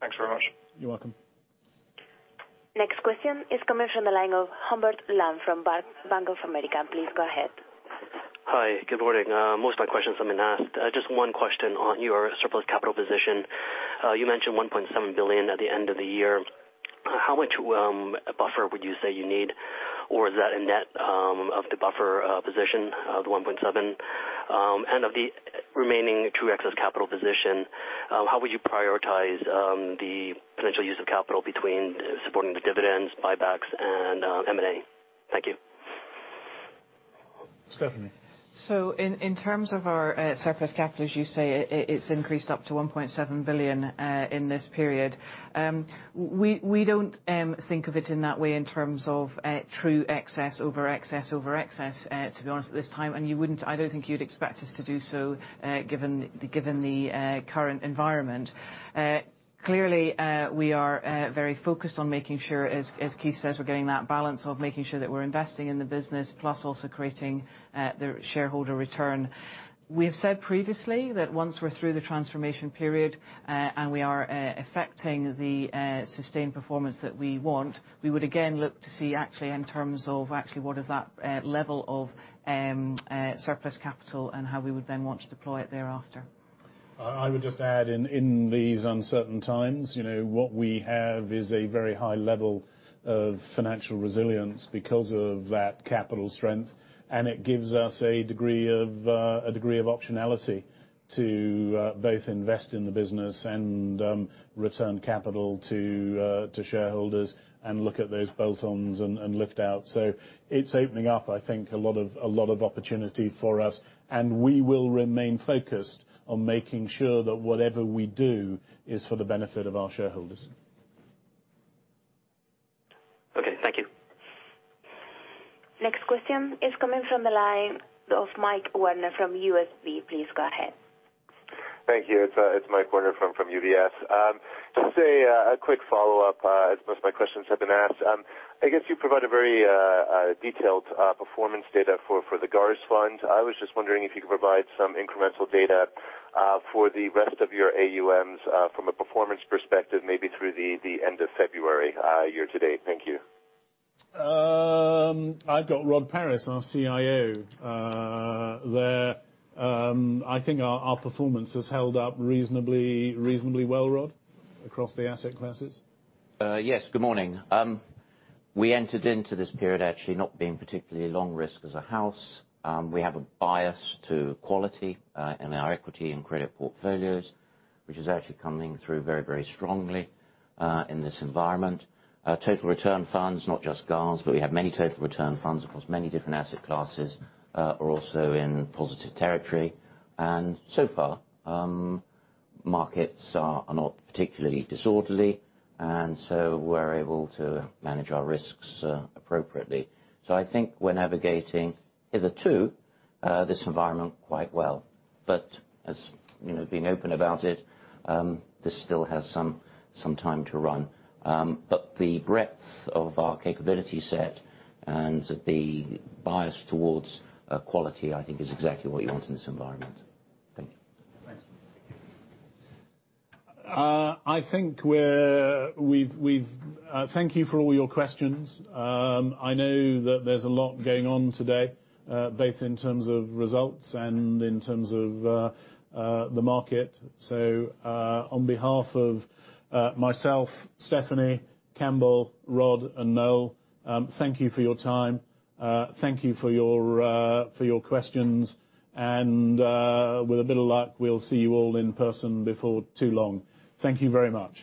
Thanks very much. You're welcome. Next question is coming from the line of Hubert Lam from Bank of America. Please go ahead. Hi, good morning. Most of my questions have been asked. Just one question on your surplus capital position. You mentioned $1.7 billion at the end of the year. How much buffer would you say you need? Or is that a net of the buffer position of the $1.7 billion? Of the remaining true excess capital position, how would you prioritize the potential use of capital between supporting the dividends, buybacks, and M&A? Thank you. Stephanie. In terms of our surplus capital, as you say, it's increased up to 1.7 billion in this period. We don't think of it in that way in terms of true excess over excess over excess, to be honest, at this time. I don't think you'd expect us to do so given the current environment. Clearly, we are very focused on making sure, as Keith says, we're getting that balance of making sure that we're investing in the business, plus also creating the shareholder return. We have said previously that once we're through the transformation period, and we are effecting the sustained performance that we want, we would again look to see actually in terms of actually what is that level of surplus capital and how we would then want to deploy it thereafter. I would just add, in these uncertain times, what we have is a very high level of financial resilience because of that capital strength. It gives us a degree of optionality to both invest in the business and return capital to shareholders and look at those bolt-ons and lift-outs. It's opening up, I think, a lot of opportunity for us. We will remain focused on making sure that whatever we do is for the benefit of our shareholders. Okay, thank you. Next question is coming from the line of Michael Werner from UBS. Please go ahead. Thank you. It's Michael Werner from UBS. Just a quick follow-up, as most of my questions have been asked. I guess you provide a very detailed performance data for the GARS fund. I was just wondering if you could provide some incremental data for the rest of your AUMs from a performance perspective, maybe through the end of February year to date. Thank you. I've got Rod Paris, our CIO, there. I think our performance has held up reasonably well, Rod, across the asset classes. Yes, good morning. We entered into this period actually not being particularly long risk as a house. We have a bias to quality in our equity and credit portfolios, which is actually coming through very strongly in this environment. Total return funds, not just GARS, but we have many total return funds across many different asset classes, are also in positive territory. So far, markets are not particularly disorderly, we're able to manage our risks appropriately. I think we're navigating hitherto this environment quite well. As being open about it, this still has some time to run. The breadth of our capability set and the bias towards quality, I think is exactly what you want in this environment. Thank you. Thanks. Thank you for all your questions. I know that there's a lot going on today, both in terms of results and in terms of the market. On behalf of myself, Stephanie, Campbell, Rod, and Noel, thank you for your time. Thank you for your questions. With a bit of luck, we'll see you all in person before too long. Thank you very much.